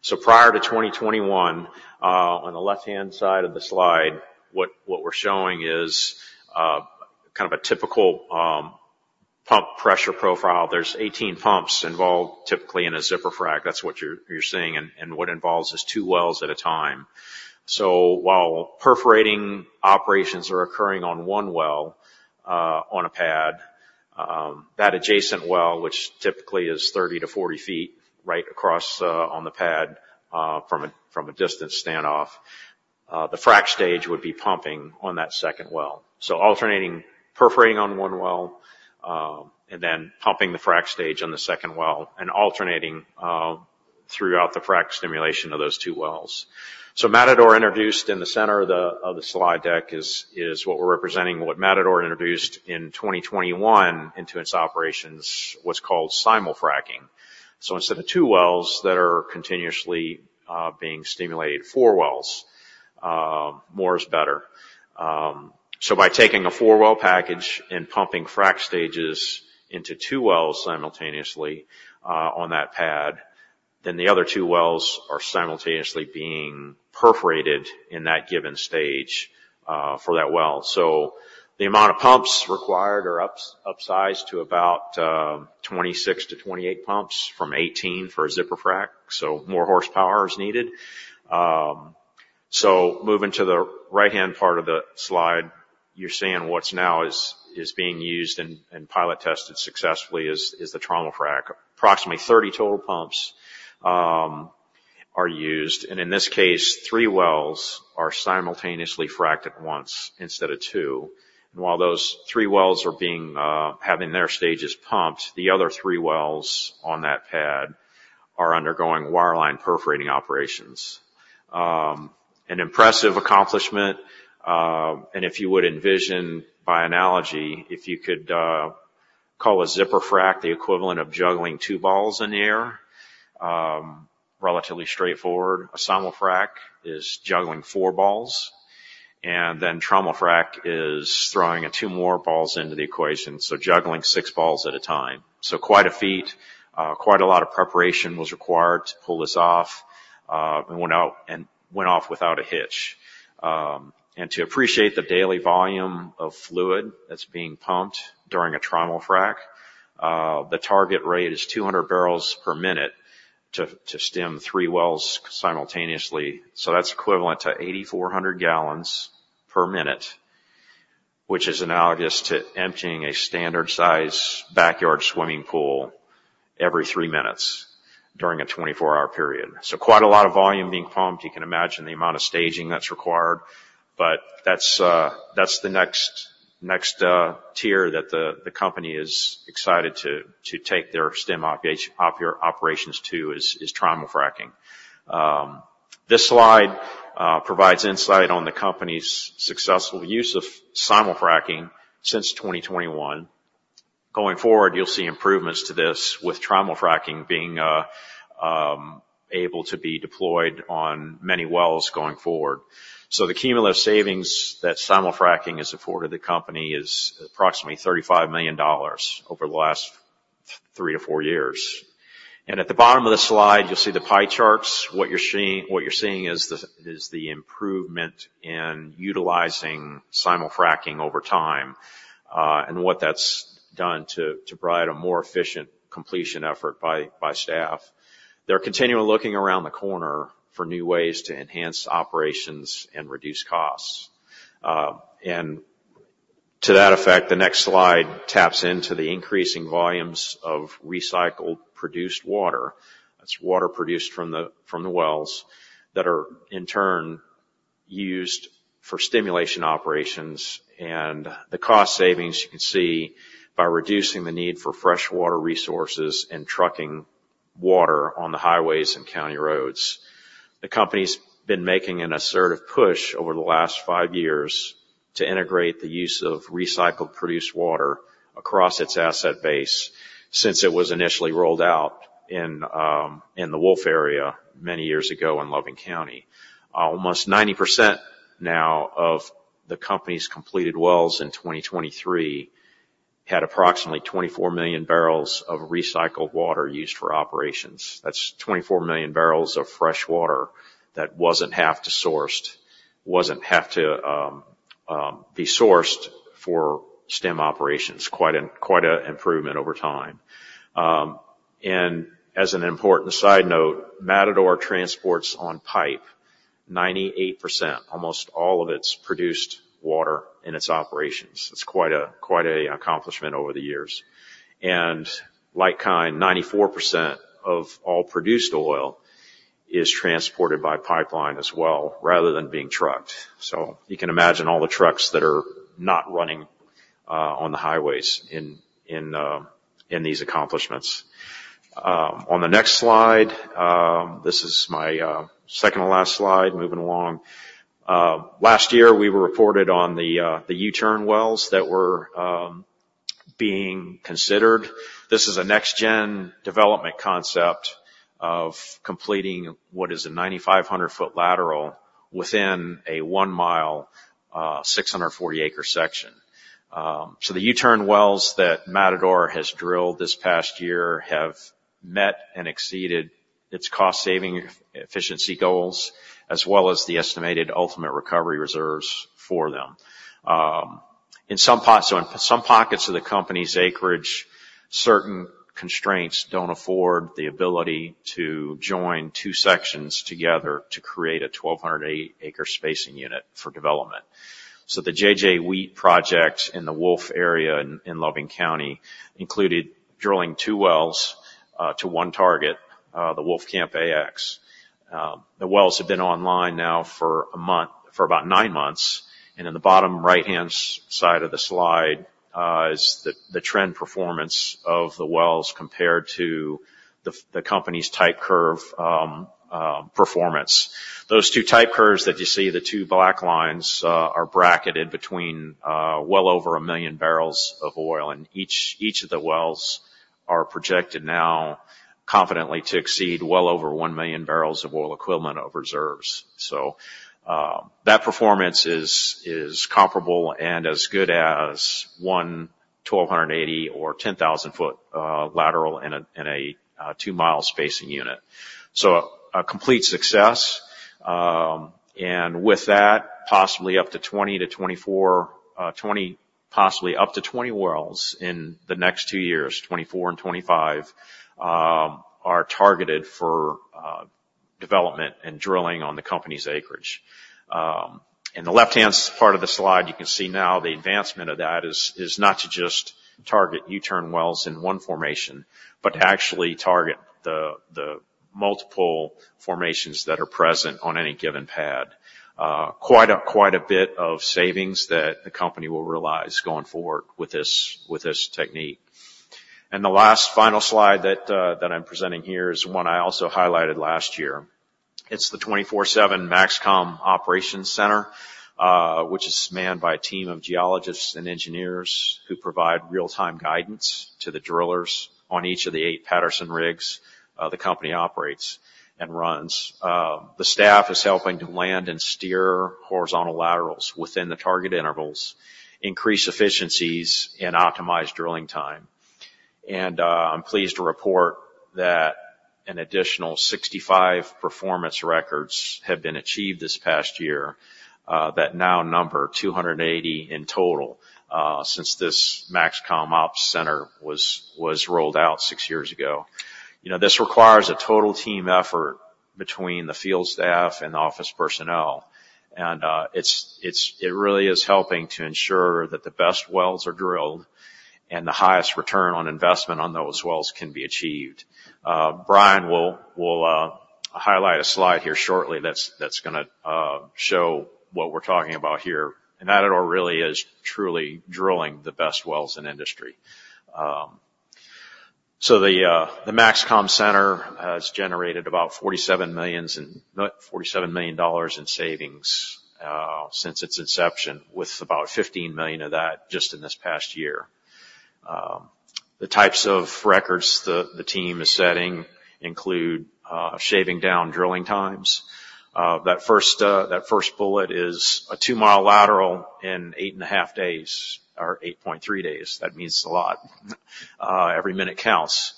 So prior to 2021, on the left-hand side of the slide, what we're showing is kind of a typical pump pressure profile. There's 18 pumps involved typically in a zipper frac. That's what you're seeing. And what involves is two wells at a time. So while perforating operations are occurring on one well on a pad, that adjacent well, which typically is 30 ft-40 ft right across on the pad from a distance standoff, the frac stage would be pumping on that second well. So alternating perforating on one well and then pumping the frac stage on the second well and alternating throughout the frac stimulation of those two wells. So Matador introduced in the center of the slide deck is what we're representing what Matador introduced in 2021 into its operations, what's called Simul-Frac. So instead of two wells that are continuously being stimulated, four wells, more is better. So by taking a 4-well package and pumping frac stages into two wells simultaneously on that pad, then the other two wells are simultaneously being perforated in that given stage for that well. So the amount of pumps required are upsized to about 26 pumps-28 pumps from 18 for a zipper frac. So more horsepower is needed. So moving to the right-hand part of the slide, you're seeing what's now is being used and pilot tested successfully is the Trimul-Frac. Approximately 30 total pumps are used. And in this case, three wells are simultaneously fracked at once instead of two. And while those three wells are having their stages pumped, the other three wells on that pad are undergoing wireline perforating operations. An impressive accomplishment. If you would envision by analogy, if you could call a zipper frac the equivalent of juggling two balls in the air, relatively straightforward. A Simul-Frac is juggling four balls. Trimul-Frac is throwing two more balls into the equation, so juggling six balls at a time. So quite a feat, quite a lot of preparation was required to pull this off and went off without a hitch. To appreciate the daily volume of fluid that's being pumped during a Trimul-Frac, the target rate is 200 bbl per minute to stim three wells simultaneously. So that's equivalent to 8,400 gal per minute, which is analogous to emptying a standard-sized backyard swimming pool every three minutes during a 24-hour period. So quite a lot of volume being pumped. You can imagine the amount of staging that's required. But that's the next tier that the company is excited to take their stim operations to is Trimul-Fracking. This slide provides insight on the company's successful use of Simul-Fracking since 2021. Going forward, you'll see improvements to this with Trimul-Fracking being able to be deployed on many wells going forward. So the cumulative savings that Simul-Fracking has afforded the company is approximately $35 million over the last three-to-four years. And at the bottom of the slide, you'll see the pie charts. What you're seeing is the improvement in utilizing Simul-Fracking over time and what that's done to provide a more efficient completion effort by staff. They're continually looking around the corner for new ways to enhance operations and reduce costs. And to that effect, the next slide taps into the increasing volumes of recycled produced water. That's water produced from the wells that are in turn used for stimulation operations. The cost savings you can see by reducing the need for freshwater resources and trucking water on the highways and county roads. The company's been making an assertive push over the last five years to integrate the use of recycled produced water across its asset base since it was initially rolled out in the Wolf area many years ago in Loving County. Almost 90% now of the company's completed wells in 2023 had approximately 24 million barrels of recycled water used for operations. That's 24 million barrels of freshwater that wasn't have to sourced, wasn't have to be sourced for stim operations. Quite an improvement over time. As an important side note, Matador transports on pipe 98%, almost all of its produced water in its operations. It's quite an accomplishment over the years. And likewise, 94% of all produced oil is transported by pipeline as well rather than being trucked. So you can imagine all the trucks that are not running on the highways in these accomplishments. On the next slide, this is my second-to-last slide. Moving along. Last year, we reported on the U-turn wells that were being considered. This is a next-gen development concept of completing what is a 9,500 ft lateral within a 1 mi, 640 acres section. So the U-turn wells that Matador has drilled this past year have met and exceeded its cost-saving efficiency goals as well as the estimated ultimate recovery reserves for them. In some pockets of the company's acreage, certain constraints don't afford the ability to join two sections together to create a 1,200 acres spacing unit for development. So the J.J. Wheat project in the Wolf area in Loving County included drilling two wells to one target, the Wolfcamp A-XY. The wells have been online now for about nine months. In the bottom right-hand side of the slide is the trend performance of the wells compared to the company's type curve performance. Those two type curves that you see, the two black lines, are bracketed between well over a million barrels of oil. Each of the wells are projected now confidently to exceed well over 1 million barrels of oil equivalent of reserves. That performance is comparable and as good as 1,280 or 10,000 ft lateral in a 2 mi spacing unit. A complete success. With that, possibly up to 20-24, possibly up to 20 wells in the next two years, 2024 and 2025, are targeted for development and drilling on the company's acreage. In the left-hand part of the slide, you can see now the advancement of that is not to just target U-turn wells in one formation, but to actually target the multiple formations that are present on any given pad. Quite a bit of savings that the company will realize going forward with this technique. The last final slide that I'm presenting here is one I also highlighted last year. It's the 24/7 MAXCOM Operations Center, which is manned by a team of geologists and engineers who provide real-time guidance to the drillers on each of the eight Patterson rigs the company operates and runs. The staff is helping to land and steer horizontal laterals within the target intervals, increase efficiencies, and optimize drilling time. I'm pleased to report that an additional 65 performance records have been achieved this past year that now number 280 in total since this MAXCOM Ops Center was rolled out six years ago. This requires a total team effort between the field staff and the office personnel. It really is helping to ensure that the best wells are drilled and the highest return on investment on those wells can be achieved. Brian will highlight a slide here shortly that's going to show what we're talking about here. Matador really is truly drilling the best wells in industry. The MAXCOM Center has generated about $47 million in savings since its inception, with about $15 million of that just in this past year. The types of records the team is setting include shaving down drilling times. That first bullet is a 2 mi lateral in 8.5 days or 8.3 days. That means a lot. Every minute counts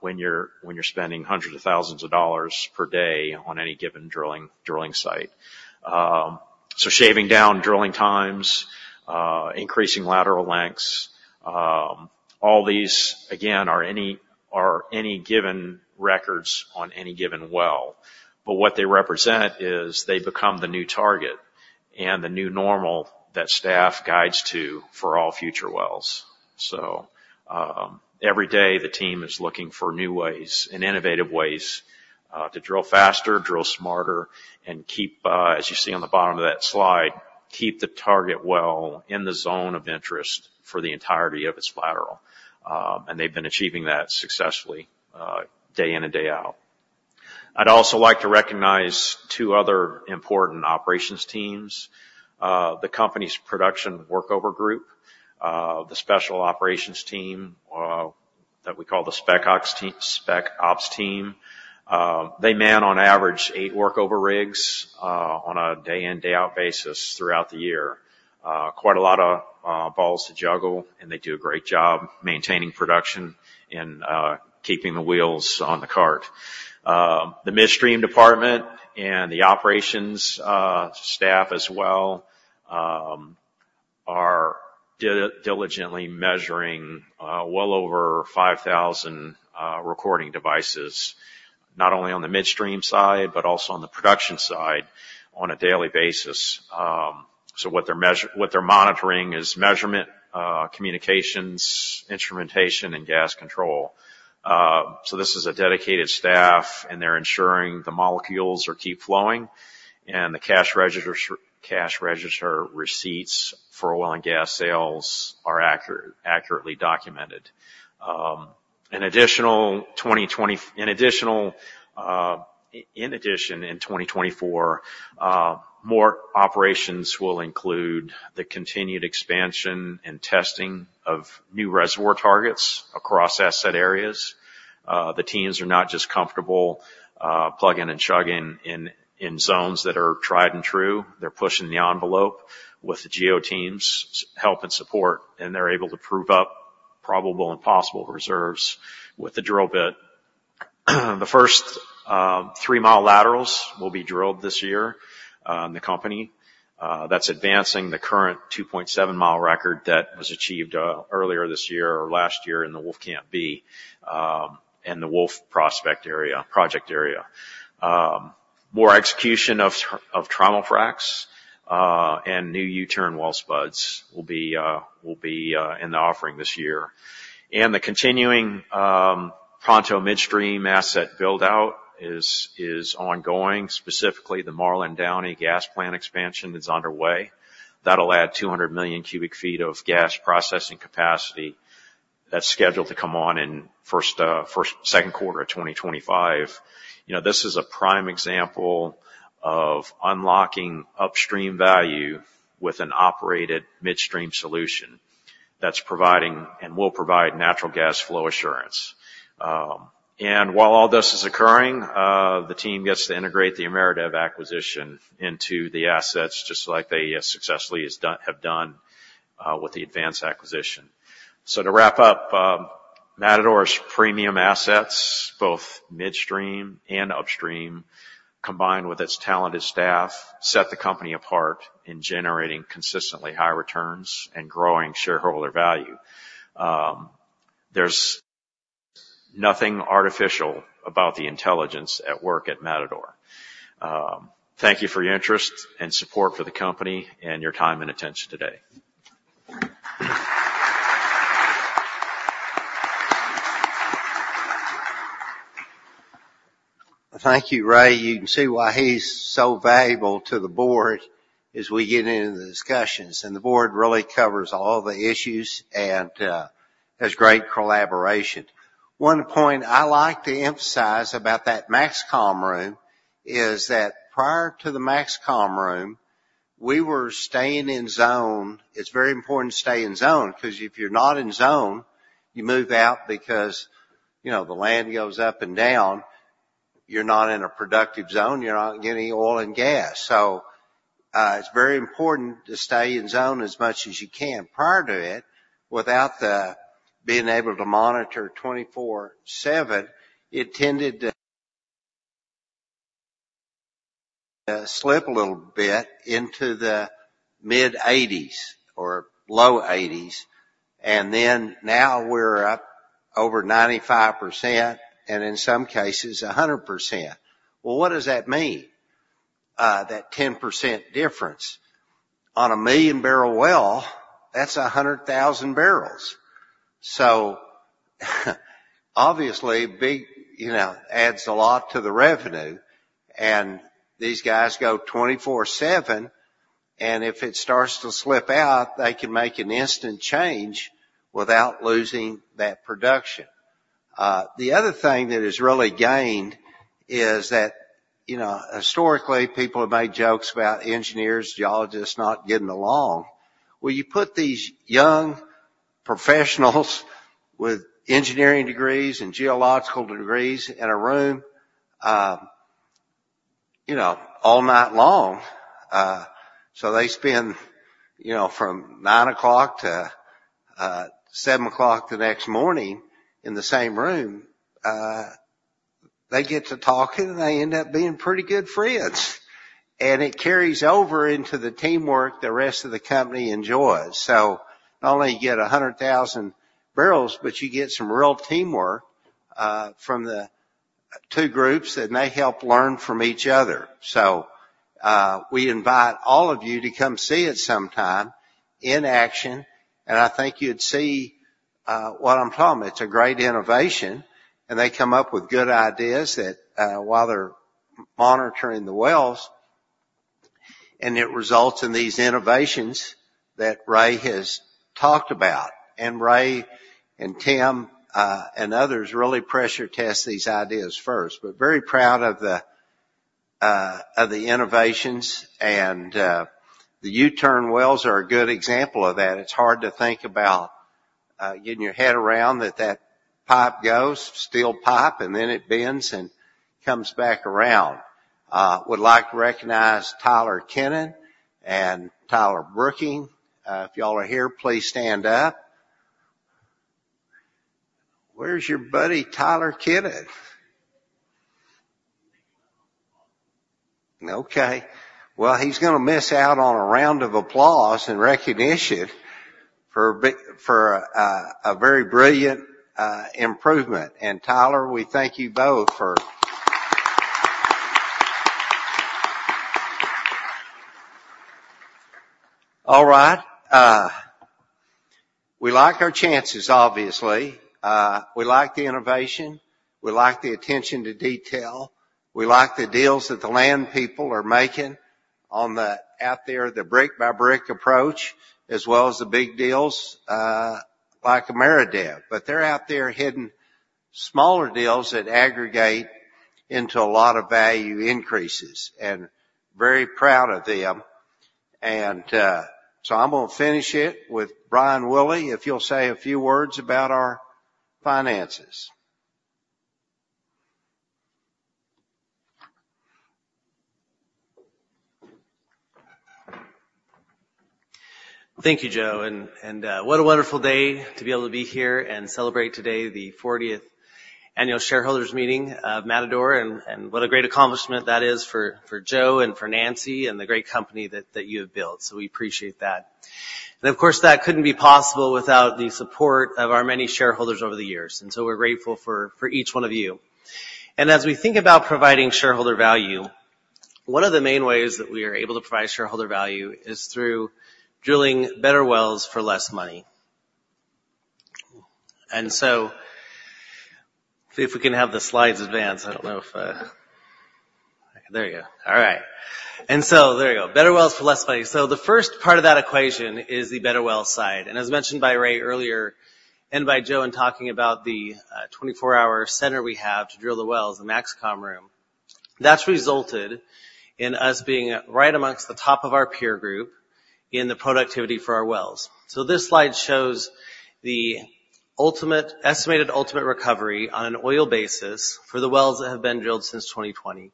when you're spending hundreds of thousands of dollars per day on any given drilling site. So shaving down drilling times, increasing lateral lengths, all these, again, are any given records on any given well. But what they represent is they become the new target and the new normal that staff guides to for all future wells. So every day, the team is looking for new ways and innovative ways to drill faster, drill smarter, and, as you see on the bottom of that slide, keep the target well in the zone of interest for the entirety of its lateral. And they've been achieving that successfully day in and day out. I'd also like to recognize two other important operations teams: the company's production workover group, the special operations team that we call the Spec Ops team. They man, on average, eight workover rigs on a day-in, day-out basis throughout the year. Quite a lot of balls to juggle, and they do a great job maintaining production and keeping the wheels on the cart. The midstream department and the operations staff as well are diligently measuring well over 5,000 recording devices, not only on the midstream side but also on the production side on a daily basis. So what they're monitoring is measurement, communications, instrumentation, and gas control. So this is a dedicated staff, and they're ensuring the molecules keep flowing and the cash register receipts for oil and gas sales are accurately documented. In addition, in 2024, more operations will include the continued expansion and testing of new reservoir targets across asset areas. The teams are not just comfortable plugging and chugging in zones that are tried and true. They're pushing the envelope with the geo teams' help and support, and they're able to prove up probable and possible reserves with the drill bit. The first 3 mi laterals will be drilled this year. The company that's advancing the current 2.7 mi record that was achieved earlier this year or last year in the Wolfcamp B and the Wolf project area. More execution of Trimul-Fracs and new U-turn well spuds will be in the offering this year. The continuing Pronto Midstream asset build-out is ongoing. Specifically, the Marlan Downey gas plant expansion is underway. That'll add 200 million cubic feet of gas processing capacity that's scheduled to come on in second quarter of 2025. This is a prime example of unlocking upstream value with an operated midstream solution that's providing and will provide natural gas flow assurance. While all this is occurring, the team gets to integrate the Ameredev acquisition into the assets just like they successfully have done with the Advance acquisition. To wrap up, Matador's premium assets, both midstream and upstream, combined with its talented staff, set the company apart in generating consistently high returns and growing shareholder value. There's nothing artificial about the intelligence at work at Matador. Thank you for your interest and support for the company and your time and attention today. Thank you, Ray. You can see why he's so valuable to the board as we get into the discussions. The board really covers all the issues and has great collaboration. One point I like to emphasize about that MAXCOM room is that prior to the MAXCOM room, we were staying in zone. It's very important to stay in zone because if you're not in zone, you move out because the land goes up and down. You're not in a productive zone. You're not getting oil and gas. So it's very important to stay in zone as much as you can. Prior to it, without being able to monitor 24/7, it tended to slip a little bit into the mid-80s or low 80s. And then now we're up over 95% and in some cases 100%. Well, what does that mean, that 10% difference? On a 1-million-barrel well, that's 100,000 bbl. So obviously, it adds a lot to the revenue. And these guys go 24/7. And if it starts to slip out, they can make an instant change without losing that production. The other thing that is really gained is that historically, people have made jokes about engineers, geologists not getting along. Well, you put these young professionals with engineering degrees and geological degrees in a room all night long. So they spend from 9:00 P.M. to 7:00 A.M. the next morning in the same room. They get to talk, and they end up being pretty good friends. And it carries over into the teamwork the rest of the company enjoys. So not only do you get 100,000 bbl, but you get some real teamwork from the two groups, and they help learn from each other. So we invite all of you to come see it sometime in action. I think you'd see what I'm talking about. It's a great innovation. They come up with good ideas while they're monitoring the wells. It results in these innovations that Ray has talked about. Ray and Tim and others really pressure test these ideas first. Very proud of the innovations. The U-turn wells are a good example of that. It's hard to think about getting your head around that that pipe goes, steel pipe, and then it bends and comes back around. Would like to recognize Tyler Cannon and Tyler Brooking. If y'all are here, please stand up. Where's your buddy Tyler Cannon? Okay. Well, he's going to miss out on a round of applause and recognition for a very brilliant improvement. Tyler, we thank you both for. All right. We like our chances, obviously. We like the innovation. We like the attention to detail. We like the deals that the land people are making out there, the brick-by-brick approach, as well as the big deals like Ameredev. But they're out there hitting smaller deals that aggregate into a lot of value increases. Very proud of them. And so I'm going to finish it with Brian Willey, if you'll say a few words about our finances. Thank you, Joe. What a wonderful day to be able to be here and celebrate today the 40th annual shareholders meeting of Matador. What a great accomplishment that is for Joe and for Nancy and the great company that you have built. We appreciate that. Of course, that couldn't be possible without the support of our many shareholders over the years. We're grateful for each one of you. As we think about providing shareholder value, one of the main ways that we are able to provide shareholder value is through drilling better wells for less money. If we can have the slides advance, I don't know if there you go. All right. There you go. Better wells for less money. The first part of that equation is the better well side. As mentioned by Ray earlier and by Joe in talking about the 24-hour center we have to drill the wells, the MAXCOM room, that's resulted in us being right amongst the top of our peer group in the productivity for our wells. This slide shows the estimated ultimate recovery on an oil basis for the wells that have been drilled since 2020.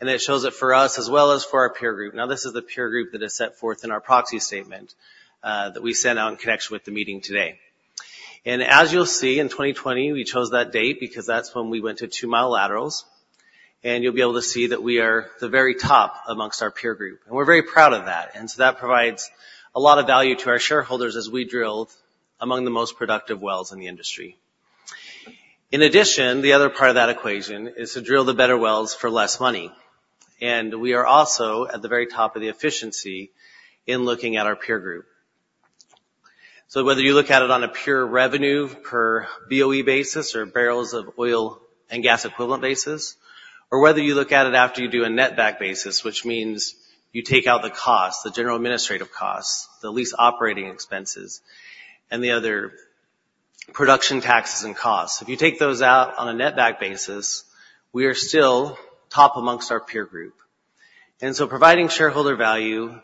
It shows it for us as well as for our peer group. Now, this is the peer group that is set forth in our proxy statement that we sent out in connection with the meeting today. As you'll see, in 2020, we chose that date because that's when we went to 2 mi laterals. You'll be able to see that we are the very top amongst our peer group. We're very proud of that. And so that provides a lot of value to our shareholders as we drilled among the most productive wells in the industry. In addition, the other part of that equation is to drill the better wells for less money. And we are also at the very top of the efficiency in looking at our peer group. So whether you look at it on a pure revenue per BOE basis or barrels of oil and gas equivalent basis, or whether you look at it after you do a net back basis, which means you take out the costs, the general administrative costs, the lease operating expenses, and the other production taxes and costs. If you take those out on a net back basis, we are still top amongst our peer group. Providing shareholder value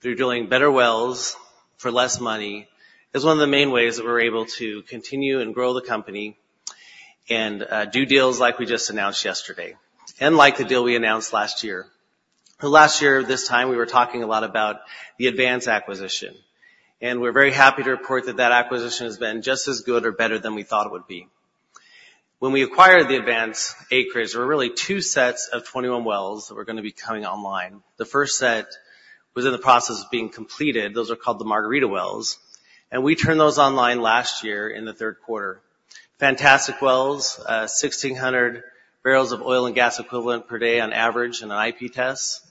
through drilling better wells for less money is one of the main ways that we're able to continue and grow the company and do deals like we just announced yesterday and like the deal we announced last year. Last year, this time, we were talking a lot about the Advance acquisition. And we're very happy to report that that acquisition has been just as good or better than we thought it would be. When we acquired the Advance acreage, there were really two sets of 21 wells that were going to be coming online. The first set was in the process of being completed. Those are called the Margarita wells. And we turned those online last year in the third quarter. Fantastic wells, 1,600 bbl of oil and gas equivalent per day on average in an IP test.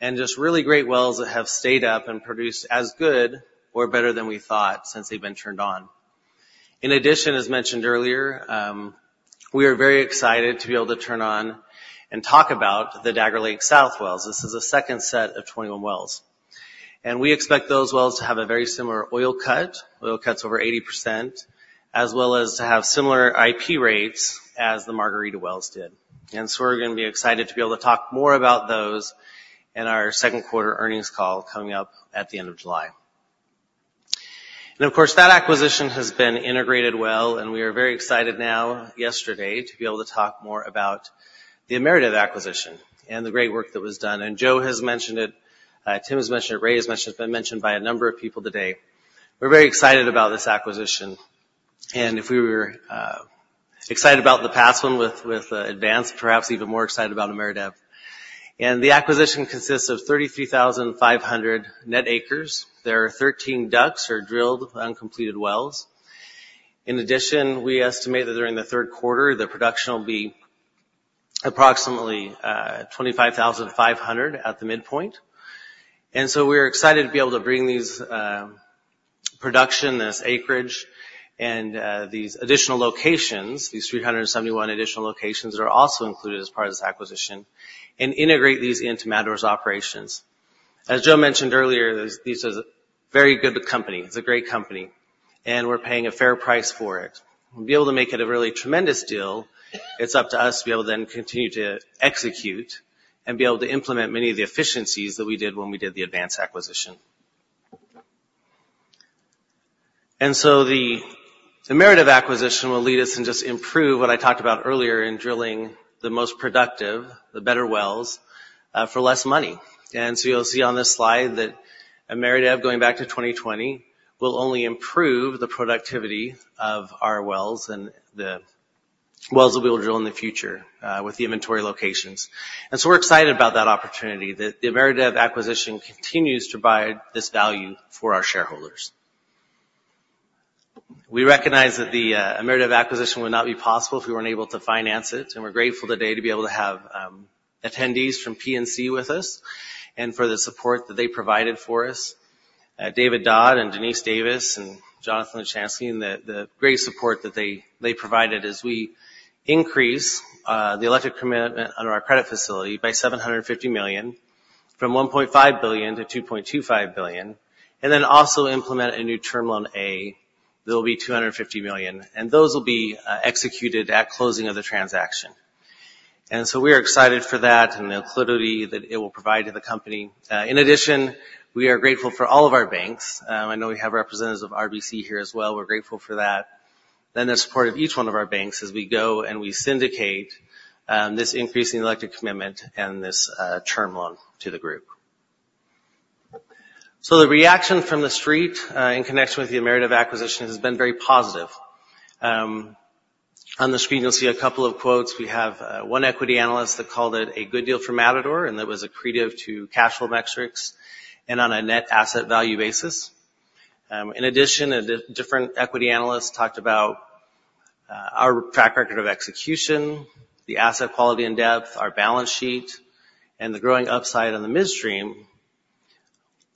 Just really great wells that have stayed up and produced as good or better than we thought since they've been turned on. In addition, as mentioned earlier, we are very excited to be able to turn on and talk about the Dagger Lake South wells. This is a second set of 21 wells. We expect those wells to have a very similar oil cut, oil cuts over 80%, as well as to have similar IP rates as the Margarita wells did. So we're going to be excited to be able to talk more about those in our second quarter earnings call coming up at the end of July. Of course, that acquisition has been integrated well. We are very excited now yesterday to be able to talk more about the Ameredev acquisition and the great work that was done. Joe has mentioned it. Tim has mentioned it. Ray has mentioned it. It's been mentioned by a number of people today. We're very excited about this acquisition. If we were excited about the past one with Advance, perhaps even more excited about Ameredev. The acquisition consists of 33,500 net acres. There are 13 DUCs or drilled uncompleted wells. In addition, we estimate that during the third quarter, the production will be approximately 25,500 at the midpoint. So we are excited to be able to bring this production, this acreage, and these additional locations, these 371 additional locations that are also included as part of this acquisition, and integrate these into Matador's operations. As Joe mentioned earlier, this is a very good company. It's a great company. We're paying a fair price for it. We'll be able to make it a really tremendous deal. It's up to us to be able to then continue to execute and be able to implement many of the efficiencies that we did when we did the Advance acquisition. And so the Ameredev acquisition will lead us and just improve what I talked about earlier in drilling the most productive, the better wells for less money. And so you'll see on this slide that Ameredev, going back to 2020, will only improve the productivity of our wells and the wells that we will drill in the future with the inventory locations. And so we're excited about that opportunity that the Ameredev acquisition continues to provide this value for our shareholders. We recognize that the Ameredev acquisition would not be possible if we weren't able to finance it. We're grateful today to be able to have attendees from PNC with us and for the support that they provided for us, David Dodd and Denise Davis and Jonathan Luchansky, and the great support that they provided as we increase the elected commitment on our credit facility by $750 million from $1.5 billion to $2.25 billion, and then also implement a new Term Loan A that will be $250 million. Those will be executed at closing of the transaction. So we are excited for that and the liquidity that it will provide to the company. In addition, we are grateful for all of our banks. I know we have representatives of RBC here as well. We're grateful for that. Then the support of each one of our banks as we go and we syndicate this increasing elected commitment and this term loan to the group. So the reaction from the street in connection with the Ameredev acquisition has been very positive. On the screen, you'll see a couple of quotes. We have one equity analyst that called it a good deal for Matador, and that was accretive to cash flow metrics and on a net asset value basis. In addition, a different equity analyst talked about our track record of execution, the asset quality and depth, our balance sheet, and the growing upside on the midstream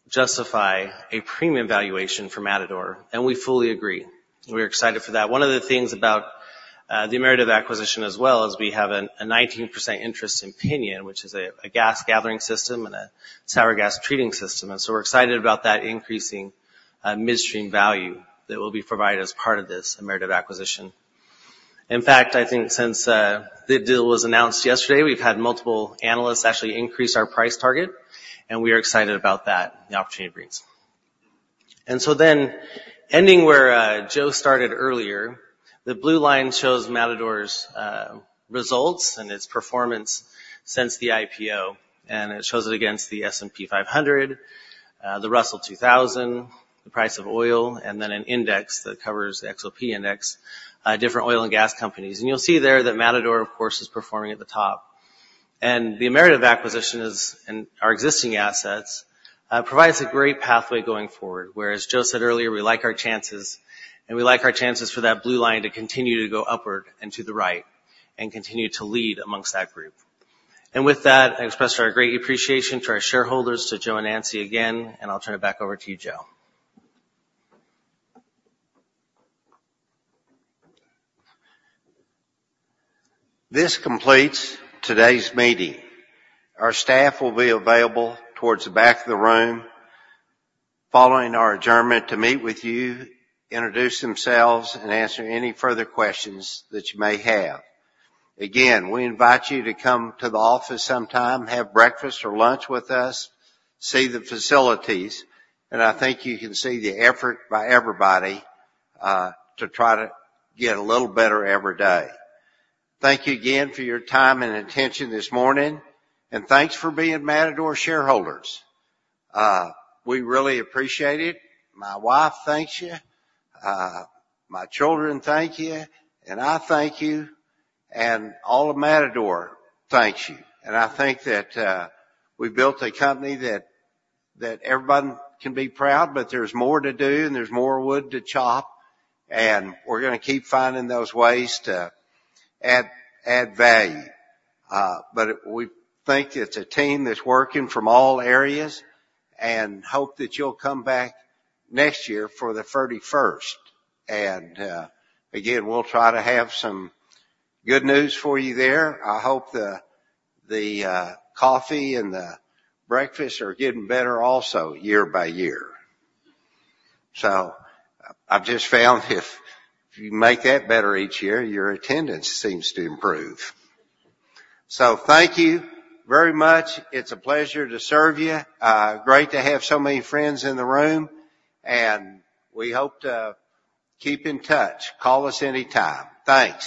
justify a premium valuation for Matador. And we fully agree. We're excited for that. One of the things about the Ameredev acquisition as well is we have a 19% interest in Piñon, which is a gas gathering system and a sour gas treating system. And so we're excited about that increasing midstream value that will be provided as part of this Ameredev acquisition. In fact, I think since the deal was announced yesterday, we've had multiple analysts actually increase our price target. We are excited about that, the opportunity it brings. Ending where Joe started earlier, the blue line shows Matador's results and its performance since the IPO. It shows it against the S&P 500, the Russell 2000, the price of oil, and then an index that covers the XOP index, different oil and gas companies. You'll see there that Matador, of course, is performing at the top. The Ameredev acquisition and our existing assets provides a great pathway going forward. Whereas Joe said earlier, we like our chances, and we like our chances for that blue line to continue to go upward and to the right and continue to lead amongst that group. With that, I express our great appreciation to our shareholders, to Joe and Nancy again. I'll turn it back over to you, Joe. This completes today's meeting. Our staff will be available towards the back of the room following our adjournment to meet with you, introduce themselves, and answer any further questions that you may have. Again, we invite you to come to the office sometime, have breakfast or lunch with us, see the facilities. I think you can see the effort by everybody to try to get a little better every day. Thank you again for your time and attention this morning. Thanks for being Matador shareholders. We really appreciate it. My wife thanks you. My children thank you. I thank you. All of Matador thanks you. I think that we built a company that everybody can be proud, but there's more to do and there's more wood to chop. We're going to keep finding those ways to add value. But we think it's a team that's working from all areas and hope that you'll come back next year for the 41st. And again, we'll try to have some good news for you there. I hope the coffee and the breakfast are getting better also year-by-year. So I've just found if you make that better each year, your attendance seems to improve. So thank you very much. It's a pleasure to serve you. Great to have so many friends in the room. And we hope to keep in touch. Call us anytime. Thanks.